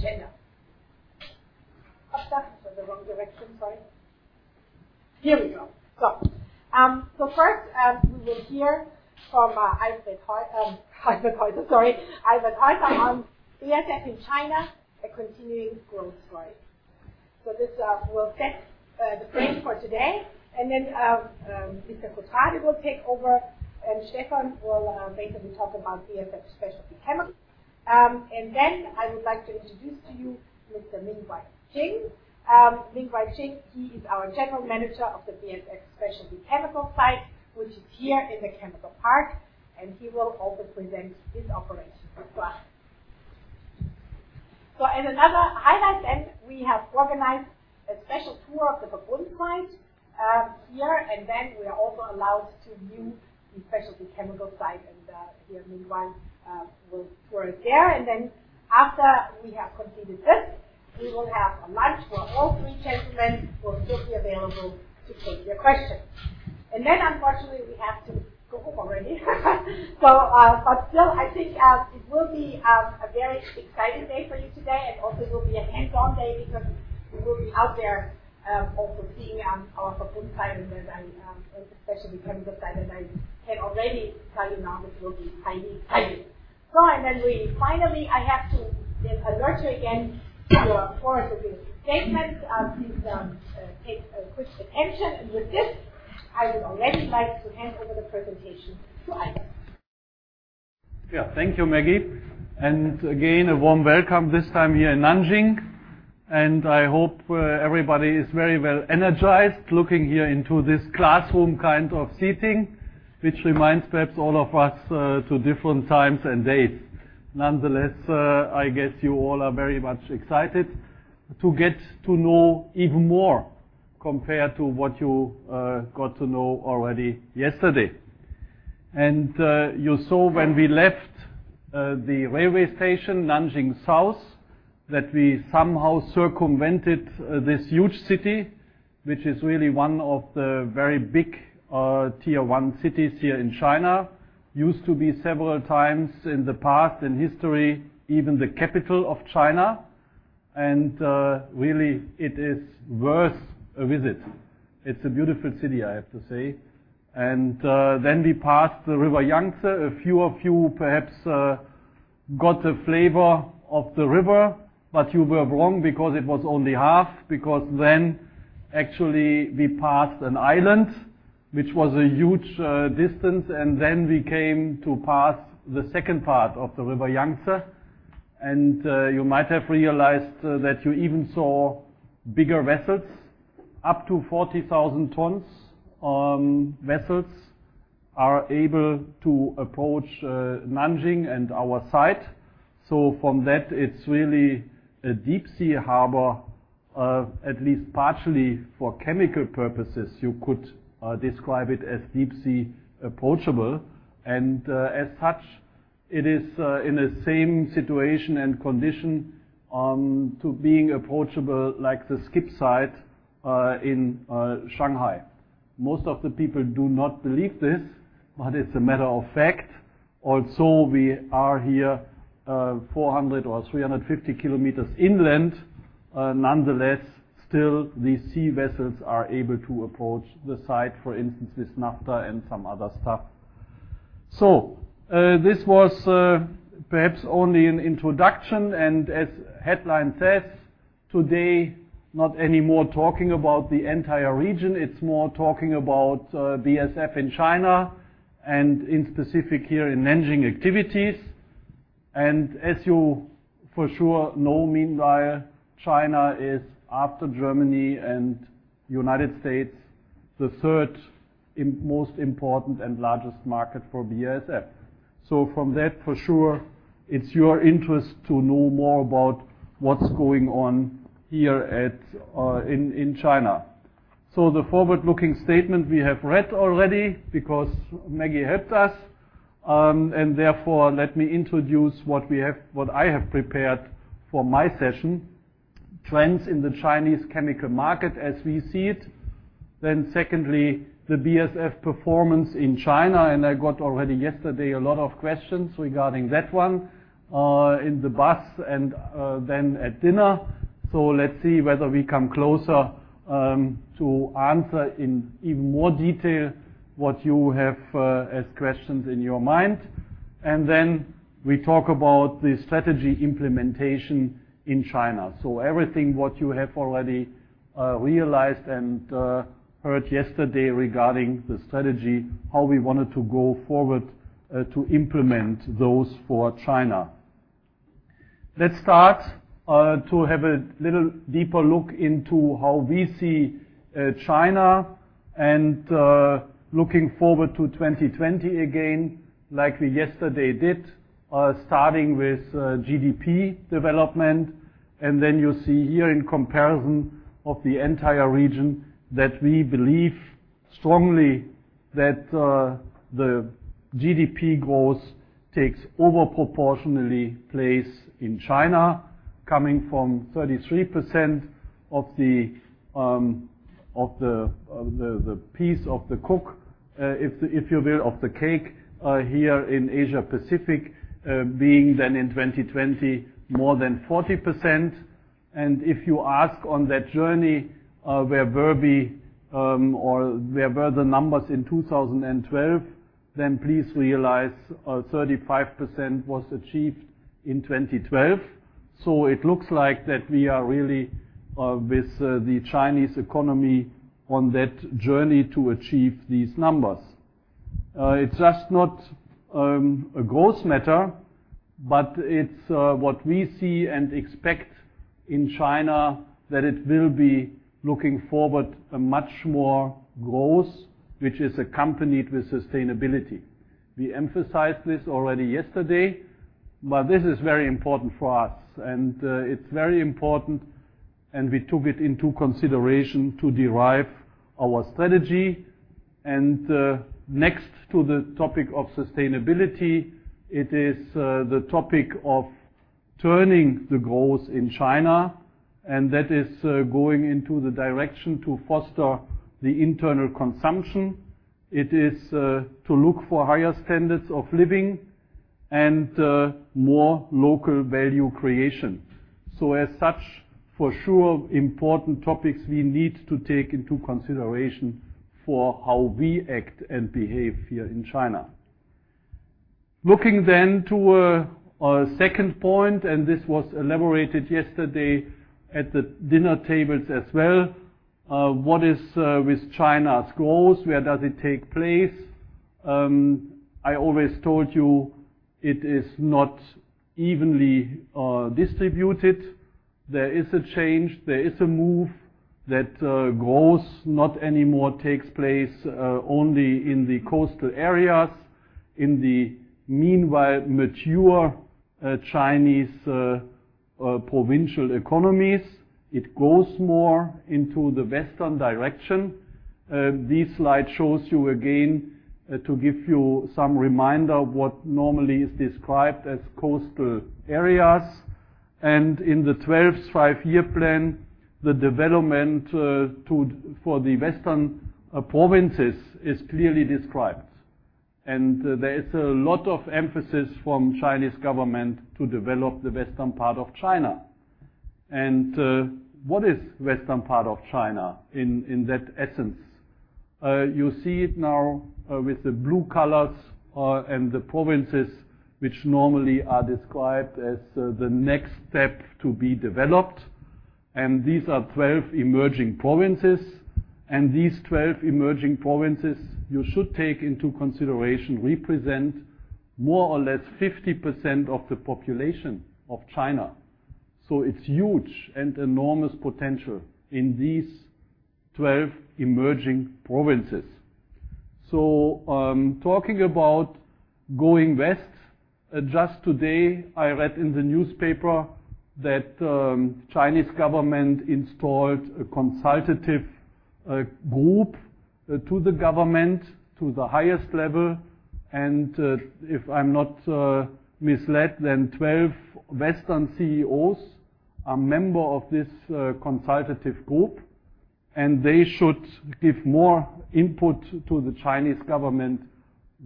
With this, I would like to take a look with you on the agenda. Up, that is for the wrong direction, sorry. Here we go. First, we will hear from Albert Heuser on BASF in China: A Continuing Growth Story. This will set the frame for today. Mr. Kothrade will take over, and Stephan will basically talk about BASF Specialty Chemicals. I would like to introduce to you Mr. Mingwei Qin. Mingwei Qin, he is our general manager of the BASF Specialty Chemicals site, which is here in the chemical park, and he will also present his operation as well. As another highlight, we have organized a special tour of the Verbund site here, and we are also allowed to view the specialty chemical site, and here Mingwei Qin will tour us there. After we have completed this, we will have a lunch where all three gentlemen will still be available to take your questions. Unfortunately, we have to go home already. Still, I think it will be a very exciting day for you today. Also it will be a hands-on day because we will be out there, also seeing our Verbund site and then specialty chemical site as I can already tell you now it will be highly exciting. Finally, I have to alert you again to our forward-looking statement. Please, pay a quick attention. With this, I would already like to hand over the presentation to Albert Heuser. Yeah. Thank you, Maggie. Again, a warm welcome this time here in Nanjing, and I hope everybody is very well energized looking here into this classroom kind of seating, which reminds perhaps all of us to different times and days. Nonetheless, I guess you all are very much excited to get to know even more compared to what you got to know already yesterday. You saw when we left the railway station, Nanjing South, that we somehow circumvented this huge city, which is really one of the very big tier one cities here in China. Used to be several times in the past, in history, even the capital of China, and really it is worth a visit. It's a beautiful city, I have to say. Then we passed the River Yangtze. A few of you perhaps got a flavor of the river, but you were wrong because it was only half, because then actually we passed an island, which was a huge distance, and then we came to pass the second part of the River Yangtze. You might have realized that you even saw bigger vessels. Up to 40,000 tons vessels are able to approach Nanjing and our site. From that, it's really a deep sea harbor, at least partially for chemical purposes. You could describe it as deep sea approachable. As such, it is in the same situation and condition to being approachable like the SCIP site in Shanghai. Most of the people do not believe this, but it's a matter of fact. Also, we are here 400km or 350km inland. Nonetheless, still the sea vessels are able to approach the site, for instance, with naphtha and some other stuff. This was perhaps only an introduction, and as headline says, today, not anymore talking about the entire region. It's more talking about BASF in China and in specific here in Nanjing activities. As you for sure know, meanwhile, China is after Germany and United States the third most important and largest market for BASF. From that, for sure, it's your interest to know more about what's going on here in China. The forward-looking statement we have read already because Maggie helped us. Therefore, let me introduce what I have prepared for my session, trends in the Chinese chemical market as we see it. Secondly, the BASF performance in China, and I got already yesterday a lot of questions regarding that one, in the bus and, then at dinner. Let's see whether we come closer, to answer in even more detail what you have, as questions in your mind. Then we talk about the strategy implementation in China. Everything what you have already, realized and, heard yesterday regarding the strategy, how we wanted to go forward, to implement those for China. Let's start, to have a little deeper look into how we see, China and, looking forward to 2020 again like we yesterday did, starting with, GDP development. You see here in comparison of the entire region that we believe strongly that the GDP growth takes over proportionally place in China. Coming from 33% of the piece of the cake, if you will, here in Asia Pacific, being then in 2020 more than 40%. If you ask on that journey, where Verbund or where were the numbers in 2012, then please realize 35% was achieved in 2012. It looks like that we are really with the Chinese economy on that journey to achieve these numbers. It's just not a growth matter, but it's what we see and expect in China that it will be looking forward a much more growth, which is accompanied with sustainability. We emphasized this already yesterday, but this is very important for us. It's very important, and we took it into consideration to derive our strategy. Next to the topic of sustainability, it is the topic of turning the growth in China, and that is going into the direction to foster the internal consumption. It is to look for higher standards of living and more local value creation. As such, for sure, important topics we need to take into consideration for how we act and behave here in China. Looking then to a second point, this was elaborated yesterday at the dinner tables as well, what is with China's growth? Where does it take place? I always told you it is not evenly distributed. There is a change, there is a move that growth not anymore takes place only in the coastal areas, in the meanwhile mature Chinese provincial economies. It grows more into the western direction. This slide shows you again to give you some reminder of what normally is described as coastal areas. In the 12th Five-Year Plan, the development for the western provinces is clearly described. There is a lot of emphasis from Chinese government to develop the western part of China. What is western part of China in that essence? You see it now with the blue colors and the provinces which normally are described as the next step to be developed, and these are 12 emerging provinces. These 12 emerging provinces, you should take into consideration, represent more or less 50% of the population of China. It's huge and enormous potential in these 12 emerging provinces. Talking about going west, just today, I read in the newspaper that Chinese government installed a consultative group to the government, to the highest level. If I'm not misled, then 12 Western CEOs are member of this consultative group, and they should give more input to the Chinese government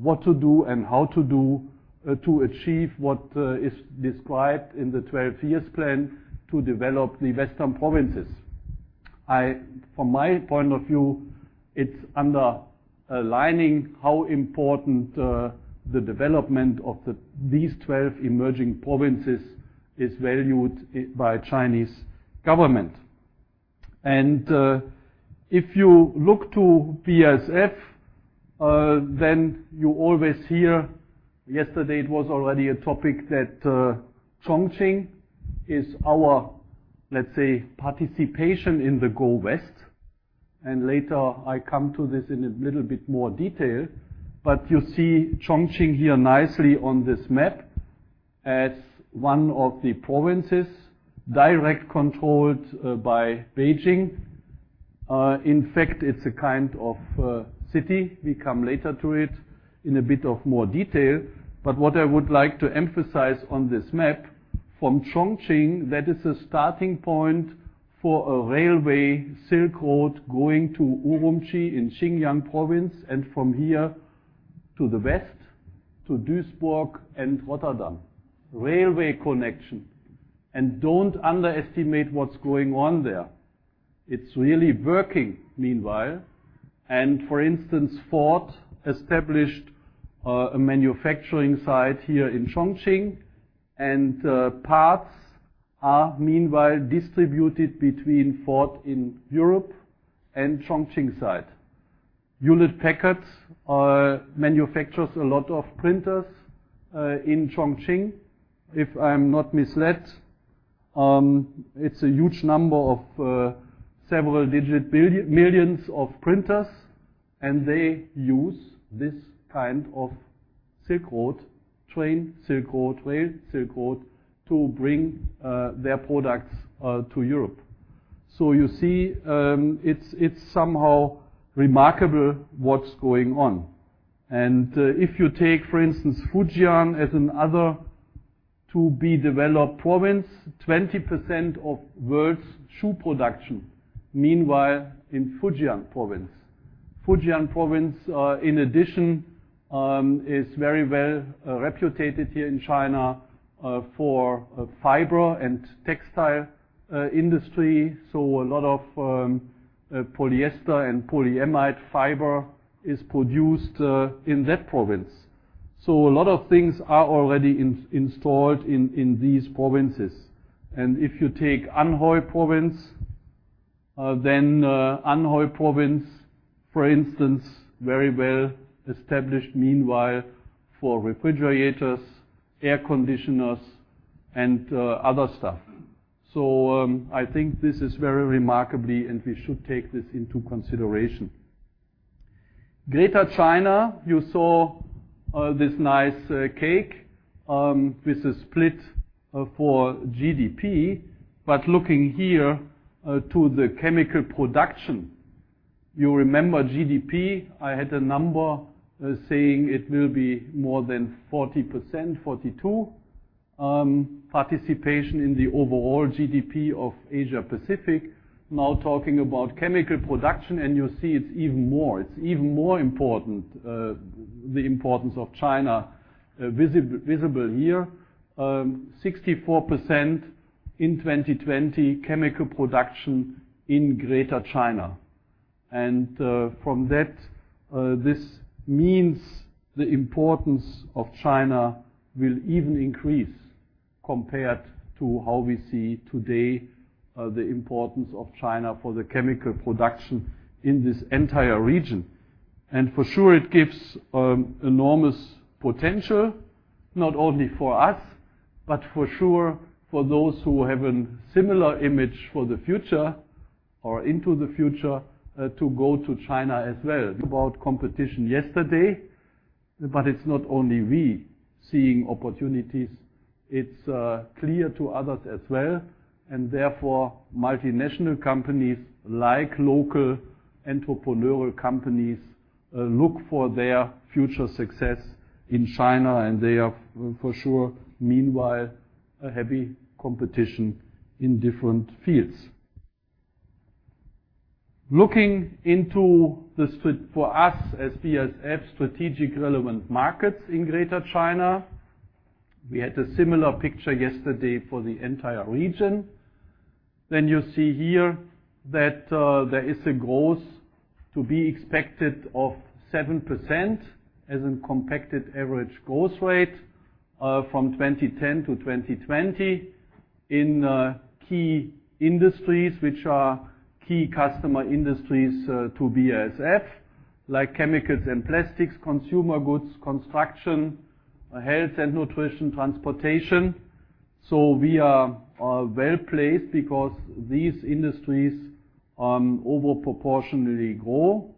what to do and how to do, to achieve what is described in the 12th Five-Year Plan to develop the western provinces. From my point of view, it's underlining how important the development of these 12 emerging provinces is valued by Chinese government. If you look to BASF, then you always hear, yesterday it was already a topic, that, Chongqing is our, let's say, participation in the Go West. Later, I come to this in a little bit more detail. You see Chongqing here nicely on this map as one of the provinces directly controlled by Beijing. In fact, it's a kind of city. We come later to it in a bit more detail. What I would like to emphasize on this map, from Chongqing, that is a starting point for a railway Silk Road going to Ürümqi in Xinjiang province, and from here to the west to Duisburg and Rotterdam. Railway connection. Don't underestimate what's going on there. It's really working meanwhile. For instance, Ford established a manufacturing site here in Chongqing, and parts are meanwhile distributed between Ford in Europe and Chongqing side. Hewlett-Packard manufactures a lot of printers in Chongqing. If I'm not misled, it's a huge number of several-digit billions of printers, and they use this kind of Silk Road train, Silk Road rail, to bring their products to Europe. You see, it's somehow remarkable what's going on. If you take, for instance, Fujian as another to-be-developed province, 20% of world's shoe production meanwhile in Fujian province. Fujian province, in addition, is very well reputed here in China for fiber and textile industry, so a lot of polyester and polyamide fiber is produced in that province. A lot of things are already installed in these provinces. If you take Anhui Province, for instance, very well-established meanwhile for refrigerators, air conditioners, and other stuff. I think this is very remarkable, and we should take this into consideration. Greater China, you saw this nice cake with a split for GDP. Looking here to the chemical production. You remember GDP, I had a number saying it will be more than 40%, 42% participation in the overall GDP of Asia-Pacific. Now talking about chemical production, you see it's even more. It's even more important, the importance of China visible here. 64% in 2020 chemical production in Greater China. From that, this means the importance of China will even increase compared to how we see today, the importance of China for the chemical production in this entire region. For sure it gives enormous potential, not only for us, but for sure for those who have a similar image for the future or into the future, to go to China as well. About competition yesterday, but it's not only we seeing opportunities. It's clear to others as well, and therefore, multinational companies, like local entrepreneurial companies, look for their future success in China, and they are for sure meanwhile a heavy competition in different fields. Looking into this for us as BASF strategic relevant markets in Greater China, we had a similar picture yesterday for the entire region. You see here that there is a growth to be expected of 7% as in compounded annual growth rate from 2010 to 2020 in key industries which are key customer industries to BASF, like chemicals and plastics, consumer goods, construction, health and nutrition, transportation. We are well-placed because these industries over proportionally grow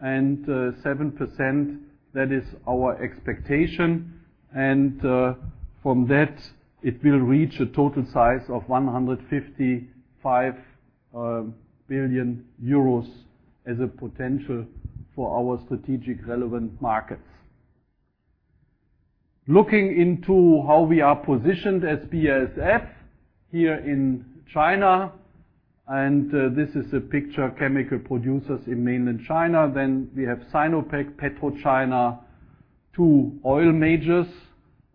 and 7%, that is our expectation. From that, it will reach a total size of 155 billion euros as a potential for our strategic relevant markets. Looking into how we are positioned as BASF here in China, this is a picture of chemical producers in mainland China. We have Sinopec, PetroChina, two oil majors,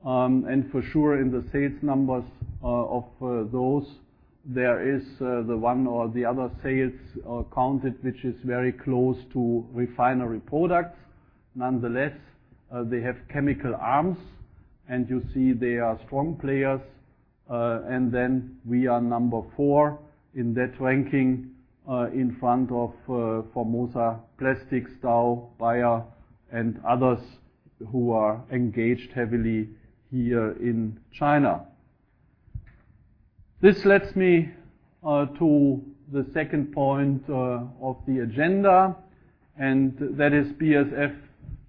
and for sure in the sales numbers, of those there is the one or the other sales counted which is very close to refinery products. Nonetheless, they have chemical arms, and you see they are strong players. We are number four in that ranking, in front of Formosa Plastics, Dow, Bayer, and others who are engaged heavily here in China. This leads me to the second point of the agenda, and that is BASF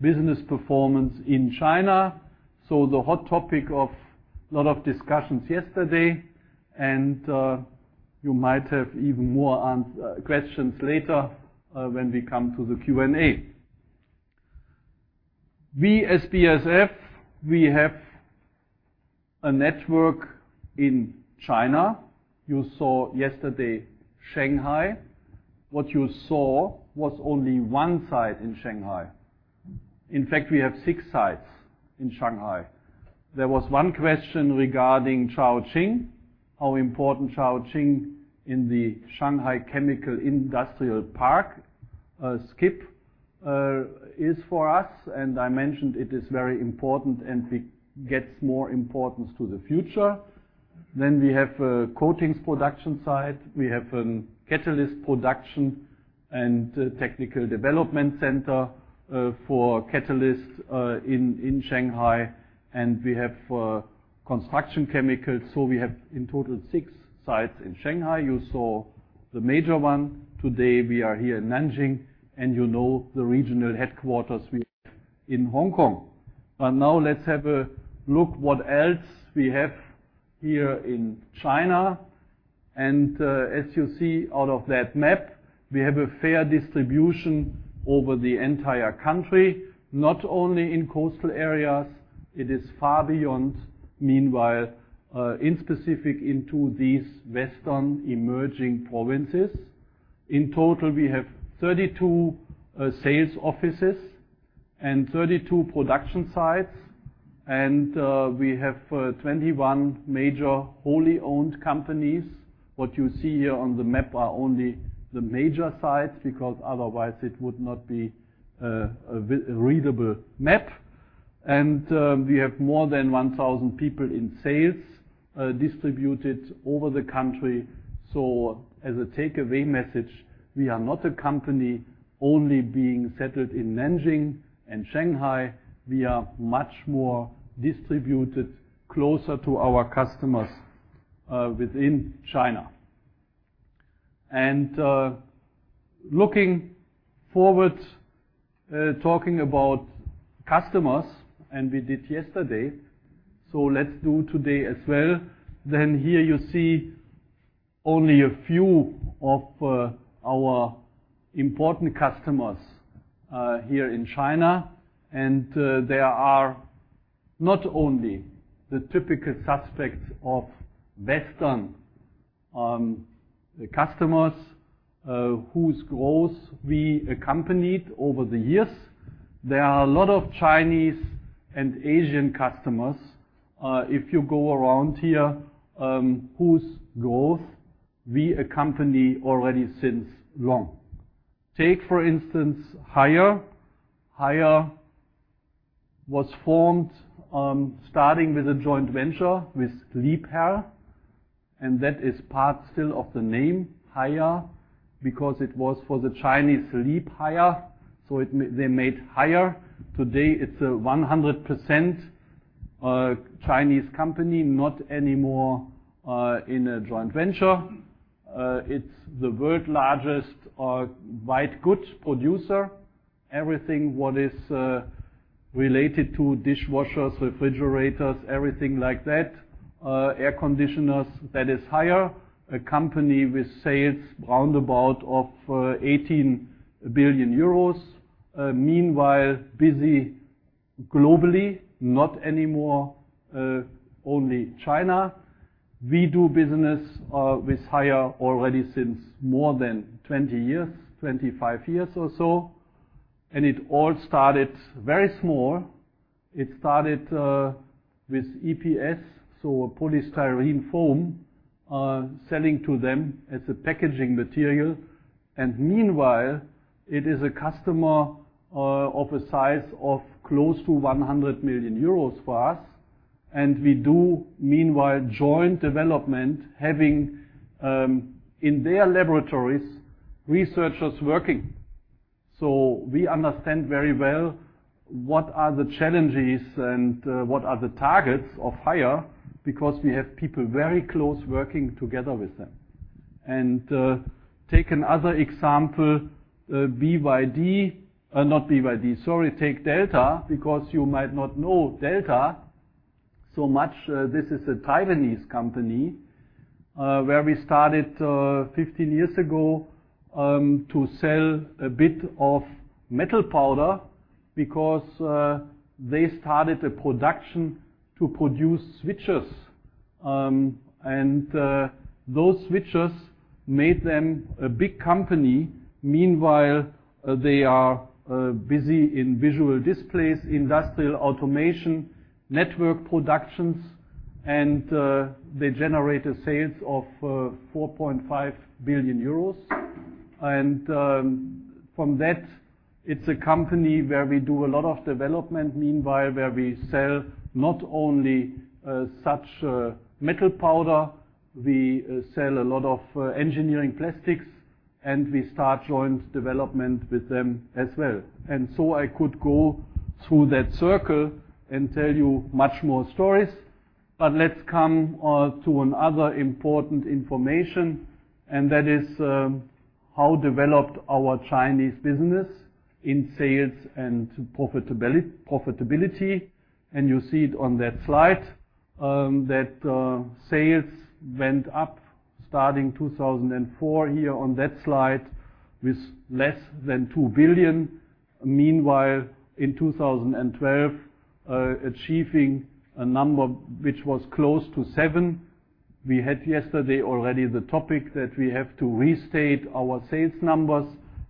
business performance in China. The hot topic of a lot of discussions yesterday and you might have even more questions later, when we come to the Q&A. We as BASF, we have a network in China. You saw yesterday Shanghai. What you saw was only one site in Shanghai. In fact, we have six sites in Shanghai. There was one question regarding Caojing, how important Caojing in the Shanghai Chemical Industry Park, SCIP, is for us, and I mentioned it is very important and it gets more importance to the future. We have a coatings production site. We have a catalyst production and technical development center for catalysts in Shanghai. We have construction chemicals. We have in total six sites in Shanghai. You saw the major one. Today, we are here in Nanjing, and you know the regional headquarters we have in Hong Kong. Now let's have a look what else we have here in China. As you see out of that map, we have a fair distribution over the entire country, not only in coastal areas. It is far beyond, meanwhile, specifically into these western emerging provinces. In total, we have 32 sales offices and 32 production sites, and we have 21 major wholly owned companies. What you see here on the map are only the major sites because otherwise it would not be a readable map. We have more than 1,000 people in sales distributed over the country. As a takeaway message, we are not a company only being settled in Nanjing and Shanghai, we are much more distributed closer to our customers within China. Looking forward, talking about customers, and we did yesterday, so let's do today as well. Here you see only a few of our important customers here in China. There are not only the typical suspects of Western customers whose growth we accompanied over the years. There are a lot of Chinese and Asian customers if you go around here whose growth we accompany already since long. Take for instance, Haier. Haier was formed starting with a joint venture with Liebherr, and that is part still of the name Haier because it was for the Chinese Liebherr, so they made Haier. Today, it's a 100% Chinese company, not anymore in a joint venture. It's the world largest white goods producer. Everything what is related to dishwashers, refrigerators, everything like that, air conditioners, that is Haier, a company with sales roundabout of 18 billion euros, meanwhile busy globally, not anymore only China. We do business with Haier already since more than 20 years, 25 years or so, and it all started very small. It started with EPS, so a polystyrene foam, selling to them as a packaging material. Meanwhile, it is a customer of a size of close to 100 million euros for us, and we do meanwhile joint development, having in their laboratories researchers working. We understand very well what are the challenges and what are the targets of Haier because we have people very close working together with them. Take another example. Take Delta because you might not know Delta so much. This is a Taiwanese company where we started 15 years ago to sell a bit of metal powder because they started a production to produce switches. Those switches made them a big company. Meanwhile, they are busy in visual displays, industrial automation, network productions, and they generate sales of 4.5 billion euros. From that, it's a company where we do a lot of development meanwhile, where we sell not only such metal powder, we sell a lot of engineering plastics, and we start joint development with them as well. I could go through that circle and tell you much more stories. Let's come to another important information, and that is, how developed our Chinese business in sales and profitability. You see it on that slide that sales went up starting 2004 here on that slide with less than 2 billion. Meanwhile in 2012, achieving a number which was close to 7 billion. We had yesterday already the topic that we have to restate our sales numbers,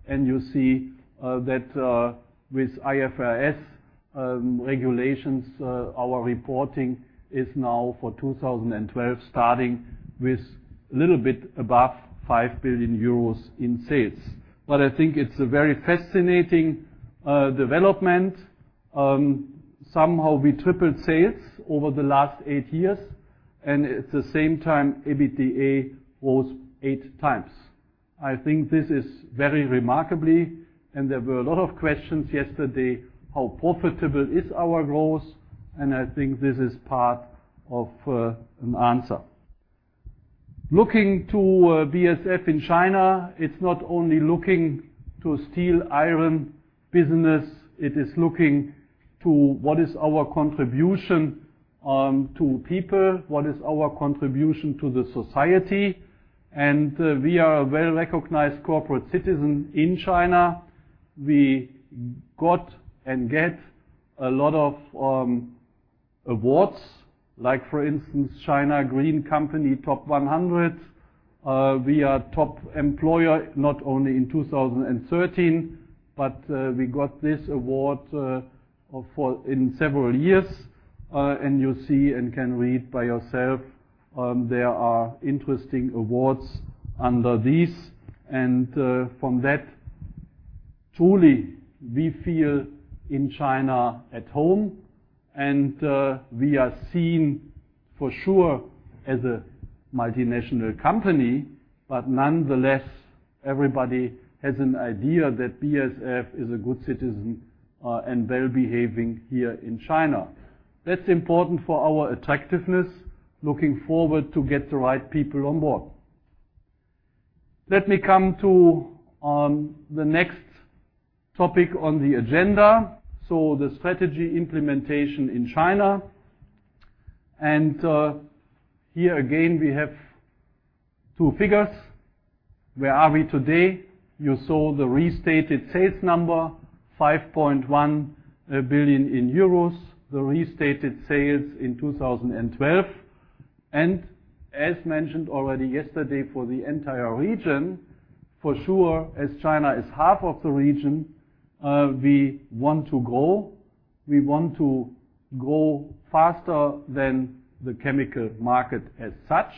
and you see that with IFRS regulations our reporting is now for 2012, starting with a little bit above 5 billion euros in sales. I think it's a very fascinating development. Somehow we tripled sales over the last 8 years, and at the same time, EBITDA rose 8 times. I think this is very remarkable, and there were a lot of questions yesterday, how profitable is our growth? I think this is part of an answer. Looking to BASF in China, it's not only looking to steel, iron business, it is looking to what is our contribution to people, what is our contribution to the society. We are a well-recognized corporate citizen in China. We got and get a lot of awards like for instance, China Top 100 Green Companies. We are Top Employer not only in 2013, but we got this award in several years. You see and can read by yourself, there are interesting awards under these. From that, truly, we feel in China at home, and we are seen for sure as a multinational company. Nonetheless, everybody has an idea that BASF is a good citizen and well-behaving here in China. That's important for our attractiveness, looking forward to get the right people on board. Let me come to the next topic on the agenda, the strategy implementation in China. Here again, we have two figures. Where are we today? You saw the restated sales number, 5.1 billion euros, the restated sales in 2012. As mentioned already yesterday for the entire region, as China is half of the region, we want to grow, we want to grow faster than the chemical market as such,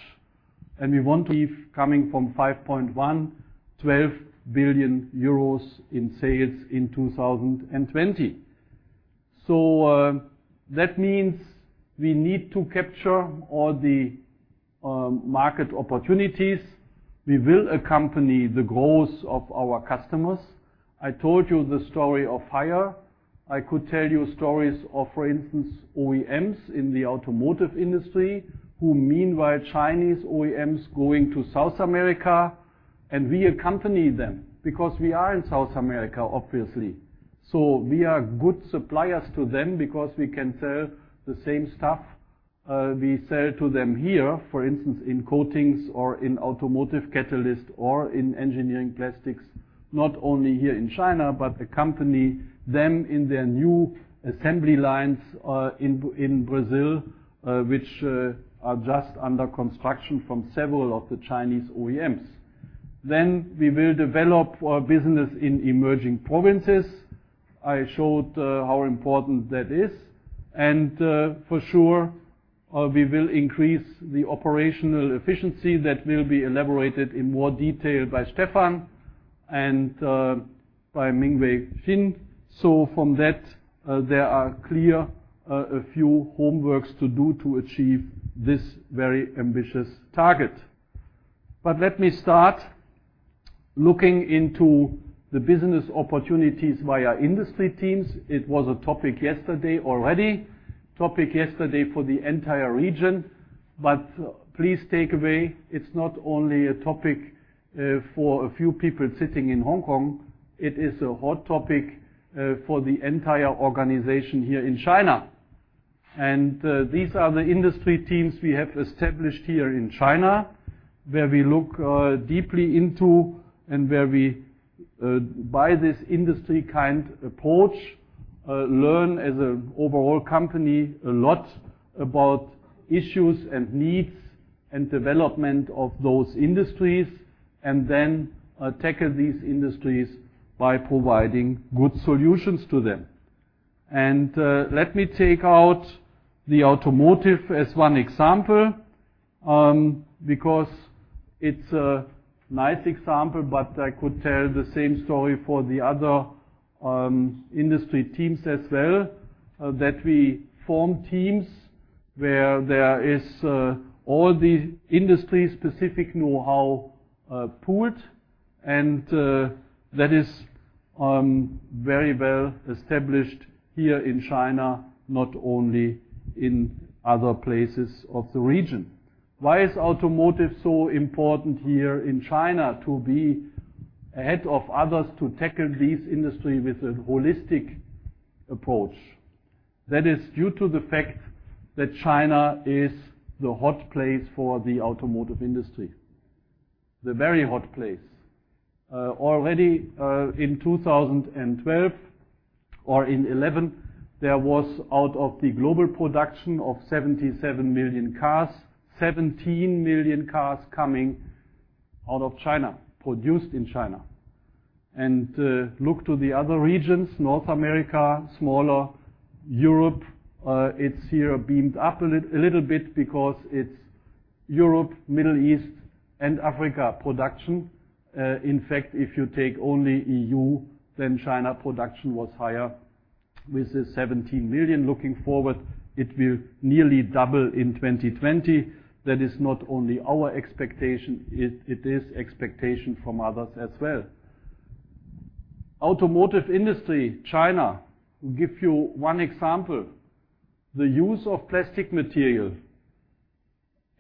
and we want to be coming from 5.1 billion to 12 billion euros in sales in 2020. That means we need to capture all the market opportunities. We will accompany the growth of our customers. I told you the story of Haier. I could tell you stories of, for instance, OEMs in the automotive industry who meanwhile Chinese OEMs going to South America, and we accompany them because we are in South America, obviously. We are good suppliers to them because we can sell the same stuff, we sell to them here, for instance, in coatings or in automotive catalyst or in engineering plastics, not only here in China, but accompany them in their new assembly lines, in Brazil, which are just under construction from several of the Chinese OEMs. We will develop our business in emerging provinces. I showed how important that is. For sure, we will increase the operational efficiency that will be elaborated in more detail by Stephan and by Mingwei Qin. From that, there are clearly a few homeworks to do to achieve this very ambitious target. Let me start looking into the business opportunities via industry teams. It was a topic yesterday for the entire region. Please take away, it's not only a topic for a few people sitting in Hong Kong, it is a hot topic for the entire organization here in China. These are the industry teams we have established here in China, where we look deeply into and where we, by this industry kind approach, learn as an overall company a lot about issues and needs and development of those industries, and then tackle these industries by providing good solutions to them. Let me take out the automotive as one example, because it's a nice example, but I could tell the same story for the other industry teams as well, that we form teams where there is all the industry-specific know-how pooled, and that is very well established here in China, not only in other places of the region. Why is automotive so important here in China to be ahead of others to tackle this industry with a holistic approach? That is due to the fact that China is the hot place for the automotive industry. The very hot place. Already, in 2012 or in 2011, there was out of the global production of 77 million cars, 17 million cars coming out of China, produced in China. Look to the other regions, North America, smaller. Europe, it's been bumped up a little bit because it's Europe, Middle East, and Africa production. In fact, if you take only EU, then China production was higher with the 17 million. Looking forward, it will nearly double in 2020. That is not only our expectation, it is expectation from others as well. Automotive industry, China. To give you one example, the use of plastic material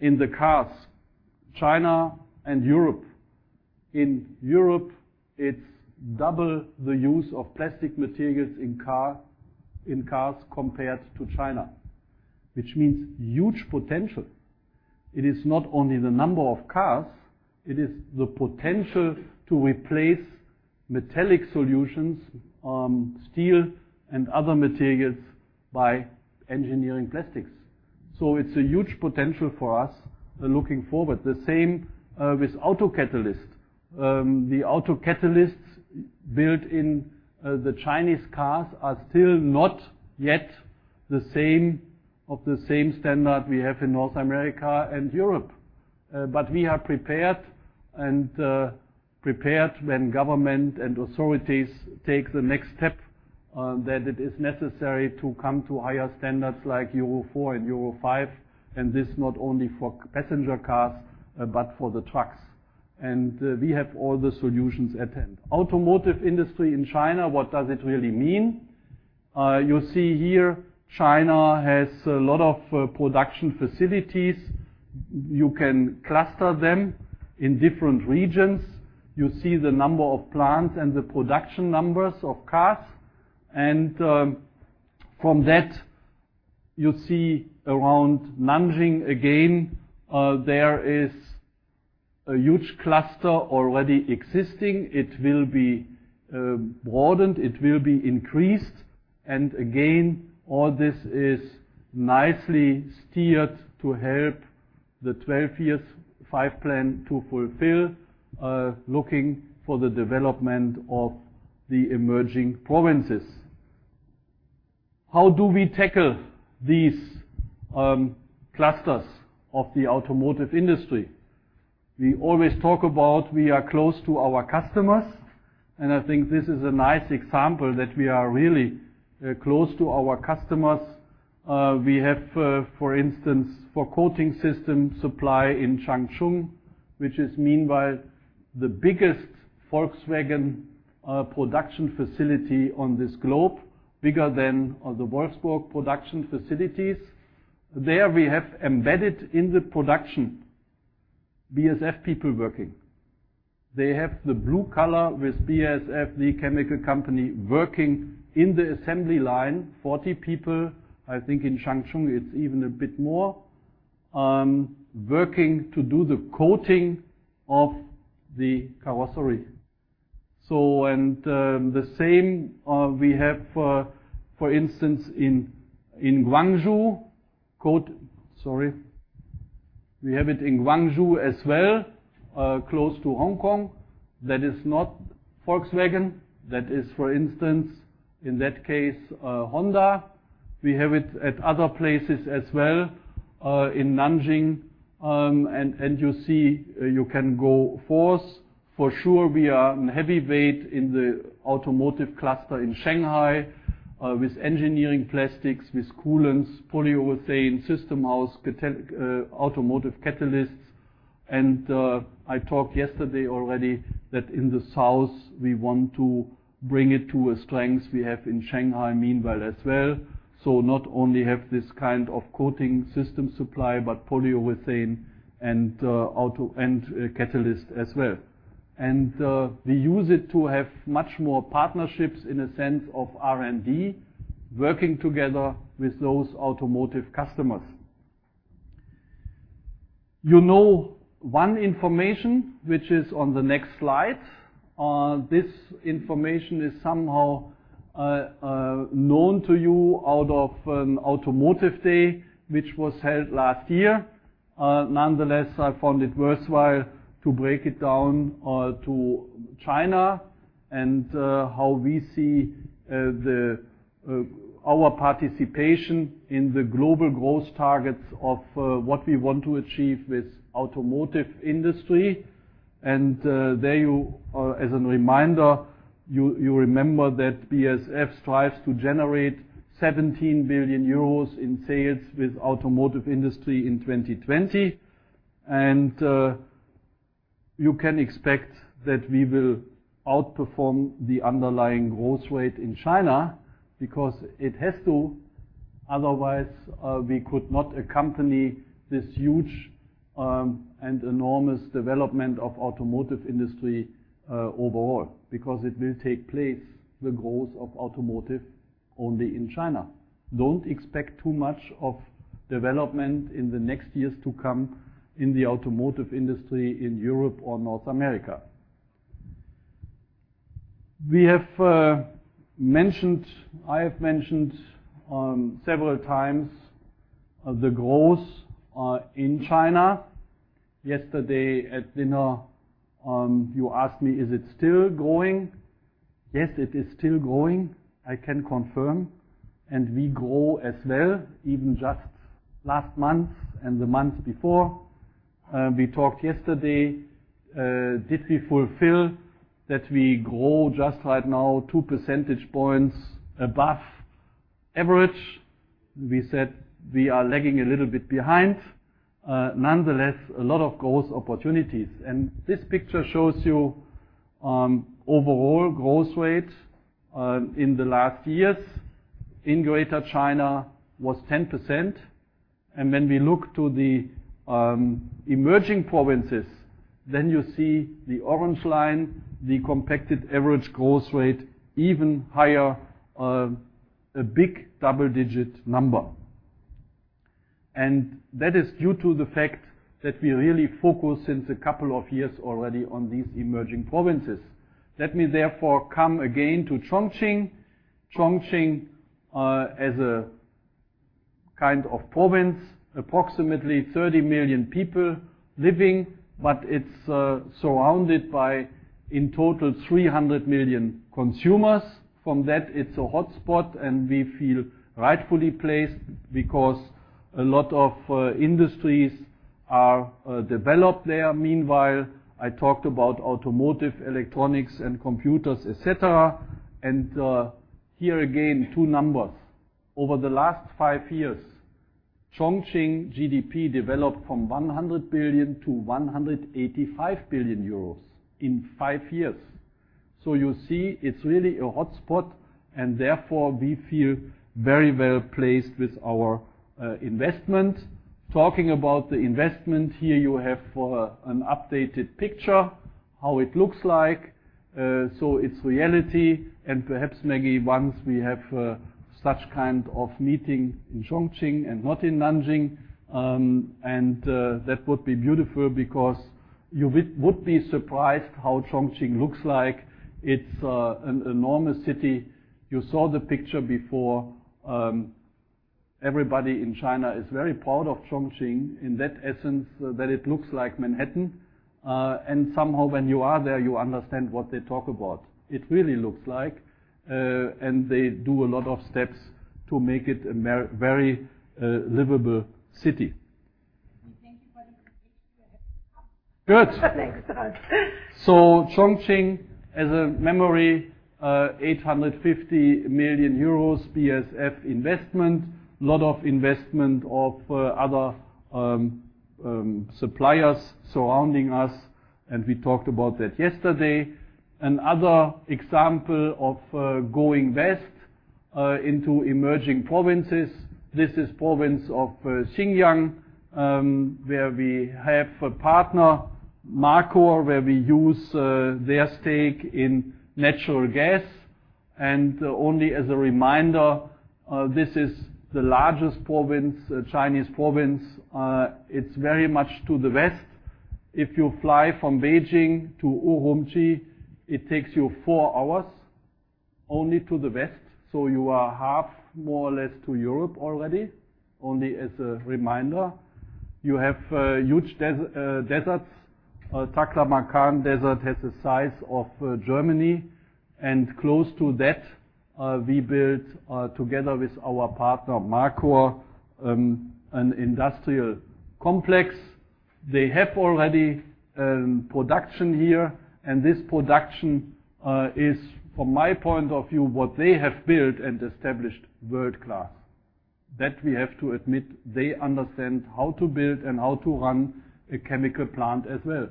in the cars, China and Europe. In Europe, it's double the use of plastic materials in cars compared to China, which means huge potential. It is not only the number of cars, it is the potential to replace metallic solutions, steel and other materials by engineering plastics. It's a huge potential for us looking forward. The same with auto catalyst. The auto catalysts built in the Chinese cars are still not yet the same standard we have in North America and Europe. But we are prepared when government and authorities take the next step that it is necessary to come to higher standards like Euro 4 and Euro 5, and this not only for passenger cars but for the trucks. We have all the solutions at hand. Automotive industry in China, what does it really mean? You see here China has a lot of production facilities. You can cluster them in different regions. You see the number of plants and the production numbers of cars. From that, you see around Nanjing again there is a huge cluster already existing. It will be broadened, it will be increased. Again, all this is nicely steered to help the 12th Five-Year Plan to fulfill, looking for the development of the emerging provinces. How do we tackle these clusters of the automotive industry? We always talk about we are close to our customers, and I think this is a nice example that we are really close to our customers. We have, for instance, for coating system supply in Changchun, which is meanwhile the biggest Volkswagen production facility on this globe, bigger than the Wolfsburg production facilities. There we have embedded in the production BASF people working. They have the blue collar with BASF, the chemical company, working in the assembly line. 40 people, I think in Changchun it's even a bit more, working to do the coating of the carrosserie. the same we have for instance in Guangzhou as well close to Hong Kong. That is not Volkswagen. That is, for instance, in that case, Honda. We have it at other places as well in Nanjing. You see, you can go forth. For sure we are heavyweight in the automotive cluster in Shanghai with engineering plastics, with coolants, polyurethane, system house, automotive catalysts. I talked yesterday already that in the south we want to bring it to a strength we have in Shanghai meanwhile as well. not only have this kind of coating system supply, but polyurethane and catalyst as well. we use it to have much more partnerships in the sense of R&D working together with those automotive customers. You know one information which is on the next slide. This information is somehow known to you out of an automotive day which was held last year. Nonetheless, I found it worthwhile to break it down to China and how we see our participation in the global growth targets of what we want to achieve with automotive industry. There you as a reminder, you remember that BASF strives to generate 17 billion euros in sales with automotive industry in 2020. You can expect that we will outperform the underlying growth rate in China because it has to, otherwise we could not accompany this huge and enormous development of automotive industry overall because it will take place the growth of automotive only in China. Don't expect too much of development in the next years to come in the automotive industry in Europe or North America. I have mentioned several times the growth in China. Yesterday at dinner, you asked me, "Is it still growing?" Yes, it is still growing, I can confirm. We grow as well, even just last month and the month before. We talked yesterday, did we fulfill that we grow just right now 2 percentage points above average, we said we are lagging a little bit behind. Nonetheless, a lot of growth opportunities. This picture shows you overall growth rate in the last years in Greater China was 10%. When we look to the emerging provinces, then you see the orange line, the compounded average growth rate even higher, a big double-digit number. That is due to the fact that we really focus since a couple of years already on these emerging provinces. Let me therefore come again to Chongqing. Chongqing, as a kind of province, approximately 30 million people living, but it's surrounded by in total 300 million consumers. From that, it's a hotspot, and we feel rightfully placed because a lot of industries are developed there. Meanwhile, I talked about automotive, electronics, and computers, et cetera. Here again, two numbers. Over the last five years, Chongqing GDP developed from 100 billion to 185 billion euros in five years. So you see it's really a hotspot, and therefore we feel very well-placed with our investment. Talking about the investment, here you have an updated picture, how it looks like. It's reality, and perhaps maybe once we have such kind of meeting in Chongqing and not in Nanjing, that would be beautiful because you would be surprised how Chongqing looks like. It's an enormous city. You saw the picture before. Everybody in China is very proud of Chongqing in that essence that it looks like Manhattan. Somehow when you are there, you understand what they talk about. It really looks like, and they do a lot of steps to make it a very livable city. We thank you for the invitation. We're happy to come. Good. Thanks, Hans. Chongqing, as a reminder, EUR 850 million BASF investment. Lots of investment of other suppliers surrounding us, and we talked about that yesterday. Another example of Go West into emerging provinces. This is province of Xinjiang, where we have a partner, Markor, where we use their stake in natural gas. Only as a reminder, this is the largest province, Chinese province. It's very much to the west. If you fly from Beijing to Ürümqi, it only takes you four hours to the west, so you are halfway more or less to Europe already, only as a reminder. You have huge deserts. Taklamakan Desert has the size of Germany. Close to that, we built together with our partner, Markor, an industrial complex. They have already production here, and this production is, from my point of view, what they have built and established world-class. That we have to admit they understand how to build and how to run a chemical plant as well,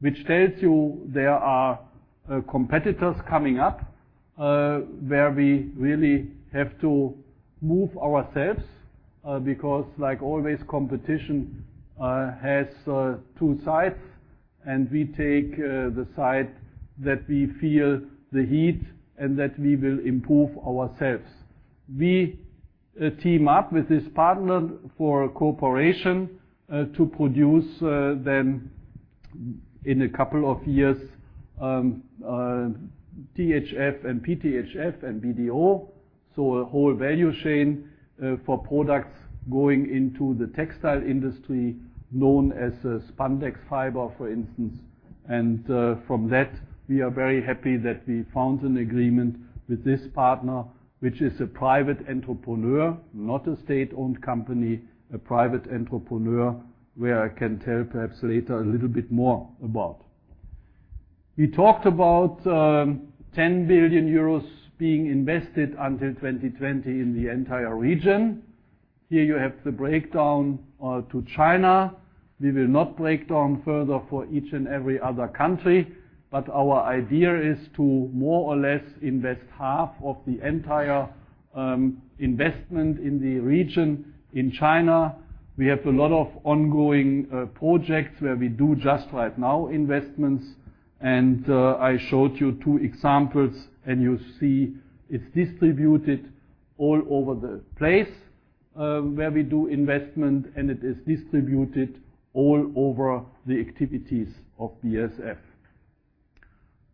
which tells you there are competitors coming up where we really have to move ourselves, because like always, competition has two sides, and we take the side that we feel the heat and that we will improve ourselves. We team up with this partner for cooperation to produce then in a couple of years THF and PTHF and BDO, so a whole value chain for products going into the textile industry known as spandex fiber, for instance. From that, we are very happy that we found an agreement with this partner, which is a private entrepreneur, not a state-owned company, a private entrepreneur, where I can tell perhaps later a little bit more about. We talked about 10 billion euros being invested until 2020 in the entire region. Here you have the breakdown to China. We will not break down further for each and every other country, but our idea is to more or less invest half of the entire investment in the region. In China, we have a lot of ongoing projects where we do just right now investments, and I showed you two examples, and you see it's distributed all over the place where we do investment, and it is distributed all over the activities of BASF.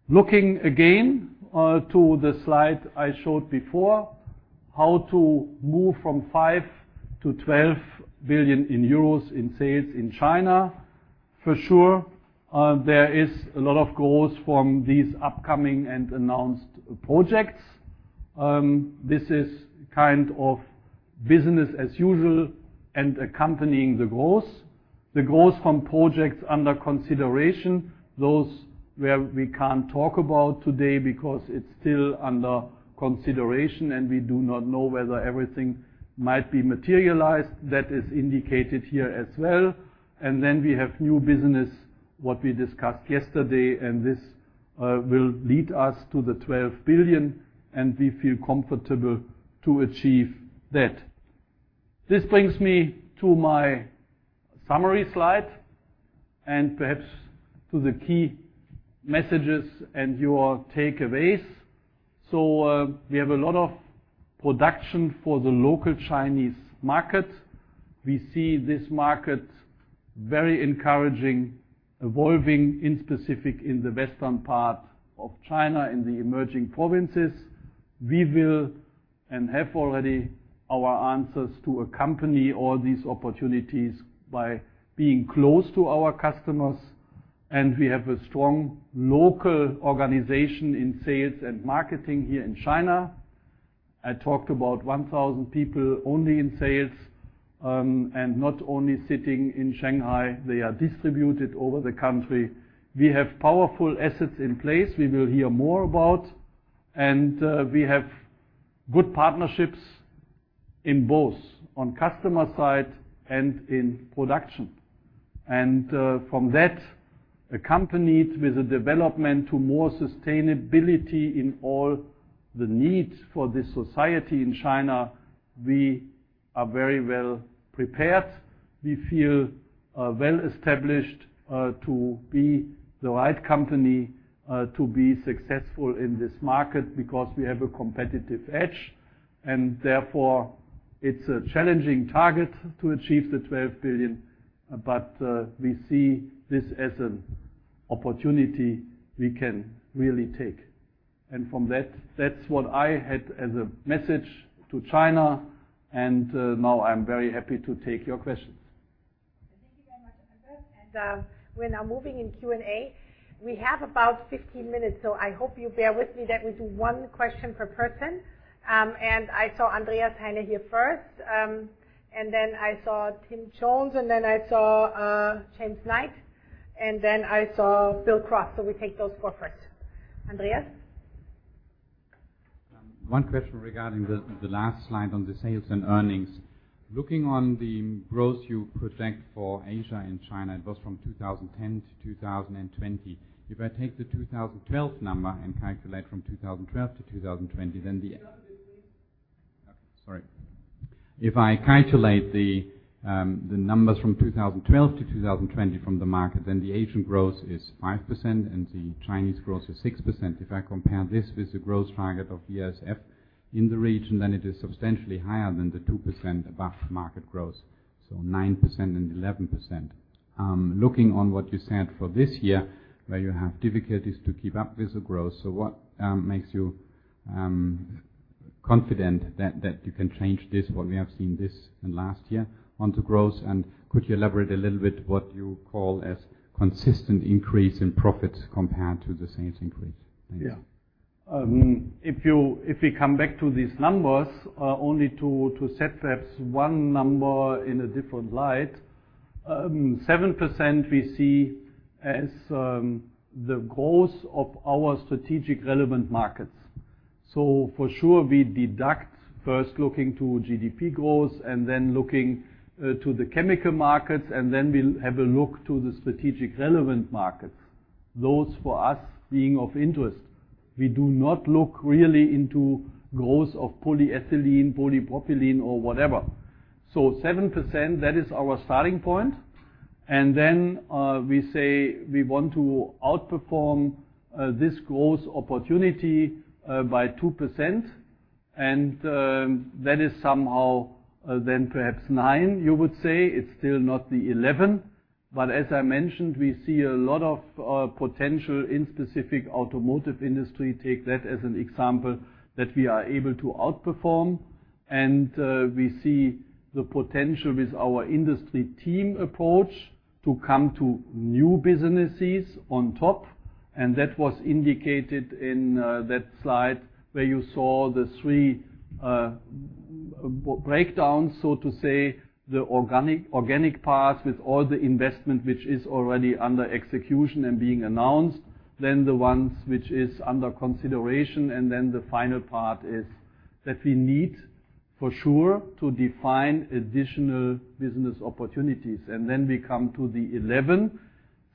Looking again to the slide I showed before, how to move from 5 billion to 12 billion euros in sales in China, for sure there is a lot of growth from these upcoming and announced projects. This is kind of business as usual and accompanying the growth. The growth from projects under consideration, those where we can't talk about today because it's still under consideration and we do not know whether everything might be materialized, that is indicated here as well. We have new business, what we discussed yesterday, and this will lead us to the 12 billion, and we feel comfortable to achieve that. This brings me to my summary slide and perhaps to the key messages and your takeaways. We have a lot of production for the local Chinese market. We see this market very encouraging, evolving in specific in the western part of China, in the emerging provinces. We will and have already our answers to accompany all these opportunities by being close to our customers, and we have a strong local organization in sales and marketing here in China. I talked about 1,000 people only in sales, and not only sitting in Shanghai, they are distributed over the country. We have powerful assets in place we will hear more about, and we have good partnerships in both on customer side and in production. From that, accompanied with the development to more sustainability in all the needs for this society in China, we are very well prepared. We feel well established to be the right company to be successful in this market because we have a competitive edge. Therefore, it's a challenging target to achieve the 12 billion. We see this as an opportunity we can really take. From that's what I had as a message to China, and now I'm very happy to take your questions. Thank you very much, Albert. We're now moving into Q&A. We have about 15 minutes, so I hope you bear with me that we do one question per person. I saw Andreas Heine here first. Then I saw Tim Jones, and then I saw James Knight, and then I saw Bill Cross. We take those four first. Andreas? One question regarding the last slide on the sales and earnings. Looking on the growth you project for Asia and China, both from 2010 to 2020. If I take the 2012 number and calculate from 2012 to 2020, then the- Can you speak up, please. Sorry. If I calculate the numbers from 2012 to 2020 from the market, then the Asian growth is 5% and the Chinese growth is 6%. If I compare this with the growth target of BASF in the region, then it is substantially higher than the 2% above market growth, so 9% and 11%. Looking at what you said for this year, where you have difficulties to keep up with the growth, what makes you confident that you can change this, what we have seen this and last year on the growth? And could you elaborate a little bit what you call a consistent increase in profits compared to the sales increase? Thank you. If we come back to these numbers, only to set perhaps one number in a different light. 7% we see as the growth of our strategic relevant markets. For sure, we expect first looking to GDP growth and then looking to the chemical markets, and then we'll have a look to the strategic relevant markets. Those for us being of interest. We do not look really into growth of polyethylene, polypropylene or whatever. 7%, that is our starting point. Then we say we want to outperform this growth opportunity by 2%. That is somehow then perhaps nine, you would say. It's still not the 11. As I mentioned, we see a lot of potential in specific automotive industry. Take that as an example that we are able to outperform. We see the potential with our industry team approach to come to new businesses on top. That was indicated in that slide where you saw the three breakdowns, so to say, the organic part with all the investment, which is already under execution and being announced, then the ones which is under consideration, and then the final part is that we need for sure to define additional business opportunities. We come to the 11.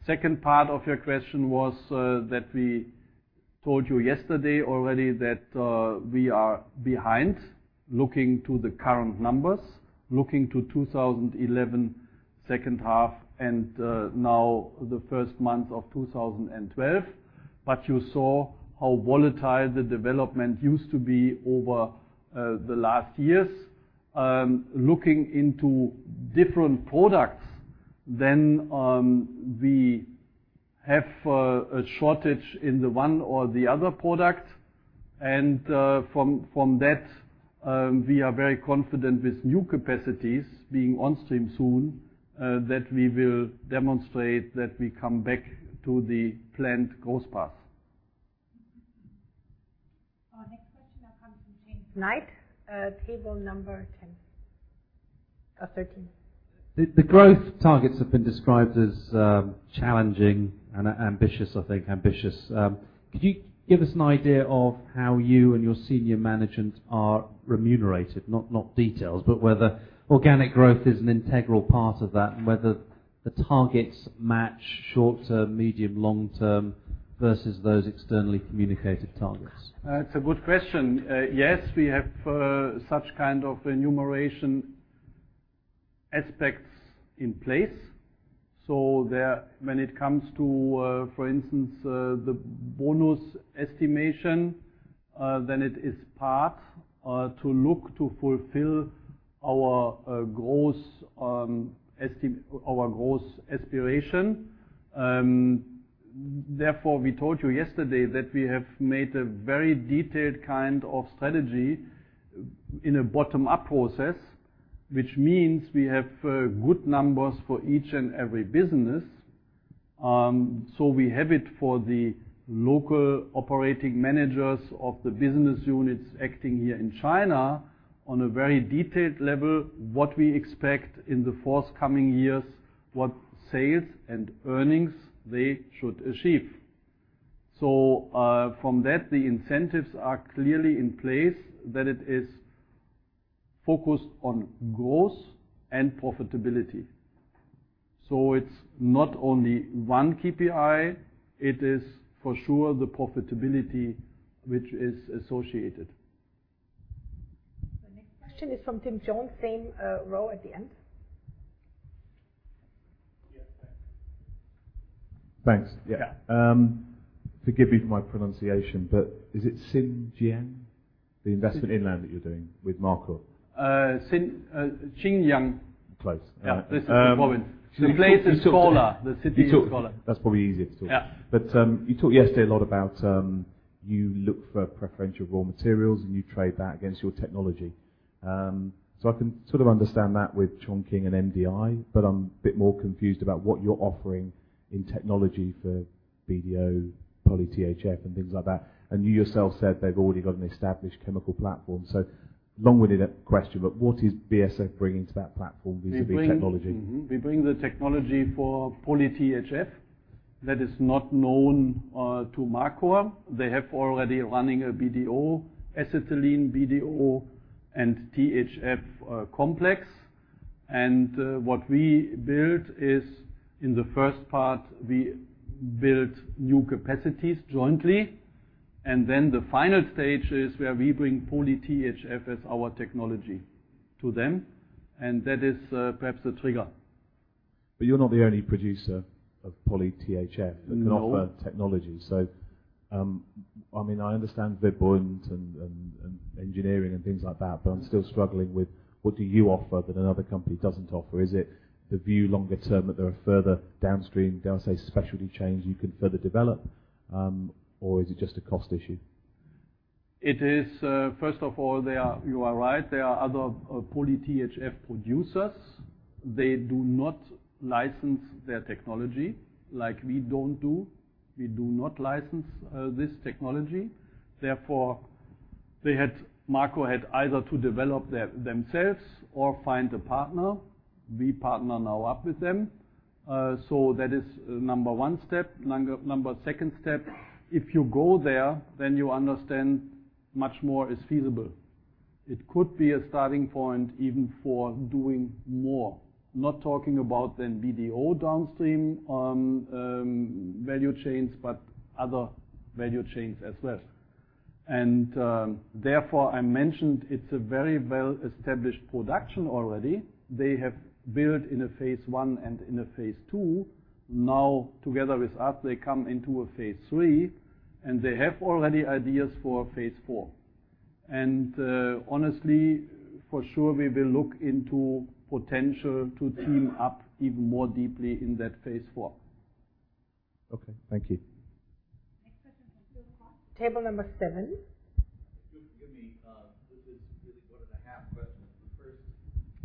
Second part of your question was that we told you yesterday already that we are behind looking to the current numbers, looking to 2011 second half and now the first month of 2012. You saw how volatile the development used to be over the last years. Looking into different products, then, we have a shortage in the one or the other product. From that, we are very confident with new capacities being on stream soon that we will demonstrate that we come back to the planned growth path. Knight, table number 10. 13 The growth targets have been described as challenging and ambitious. Could you give us an idea of how you and your senior management are remunerated? Not details, but whether organic growth is an integral part of that and whether the targets match short-term, medium, long-term versus those externally communicated targets. It's a good question. Yes, we have such kind of remuneration aspects in place, so there. When it comes to, for instance, the bonus estimation, then it is part to look to fulfill our growth aspiration. Therefore, we told you yesterday that we have made a very detailed kind of strategy in a bottom-up process, which means we have good numbers for each and every business. We have it for the local operating managers of the business units acting here in China on a very detailed level, what we expect in the forthcoming years, what sales and earnings they should achieve. From that, the incentives are clearly in place that it is focused on growth and profitability. It's not only one KPI, it is for sure the profitability which is associated. The next question is from Tim Jones. Same row at the end. Yeah. Thanks. Yeah. Forgive me for my pronunciation, but is it Xinjiang, the investment inland that you're doing with Markor? Xinjiang. Close. All right. Yeah. This is the province. You talked- The place is smaller. The city is smaller. You talked. That's probably easier to say. Yeah. You talked yesterday a lot about you look for preferential raw materials, and you trade that against your technology. I can sort of understand that with Chongqing and MDI, but I'm a bit more confused about what you're offering in technology for BDO, PolyTHF, and things like that. You yourself said they've already got an established chemical platform. Long-winded question, but what is BASF bringing to that platform vis-à-vis technology? We bring- Mm-hmm. We bring the technology for PolyTHF that is not known to Markor. They already have a running BDO, acetylene, and THF complex. What we build is, in the first part, we build new capacities jointly, and then the final stage is where we bring PolyTHF as our technology to them, and that is perhaps the trigger. You're not the only producer of PolyTHF. No ...that can offer technology. I mean, I understand Verbund and engineering and things like that, but I'm still struggling with what do you offer that another company doesn't offer? Is it the view longer term that there are further downstream, dare I say, specialty chains you can further develop, or is it just a cost issue? It is. First of all, you are right, there are other PolyTHF producers. They do not license their technology like we don't do. We do not license this technology. Therefore, Markor had either to develop themselves or find a partner. We partner now up with them. That is number one step. Number second step, if you go there, then you understand much more is feasible. It could be a starting point even for doing more. Not talking about then BDO downstream value chains, but other value chains as well. Therefore, I mentioned it's a very well-established production already. They have built in a phase one and in a phase two. Now, together with us, they come into a phase III, and they have already ideas for a phase IV. Honestly, for sure we will look into potential to team up even more deeply in that phase IV. Okay. Thank you. Next question from Phil Clarke. Table number seven. If you'll forgive me, this is really 1.5 questions. The first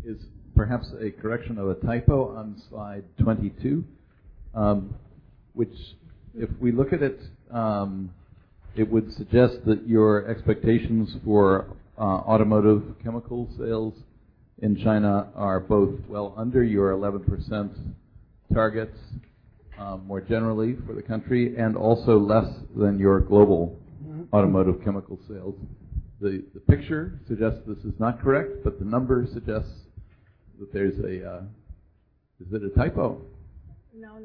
is perhaps a correction of a typo on slide 22, which if we look at it would suggest that your expectations for automotive chemical sales in China are both well under your 11% targets, more generally for the country and also less than your global- Mm-hmm Automotive chemical sales. The picture suggests this is not correct, but the numbers suggests that there's a. Is it a typo? No,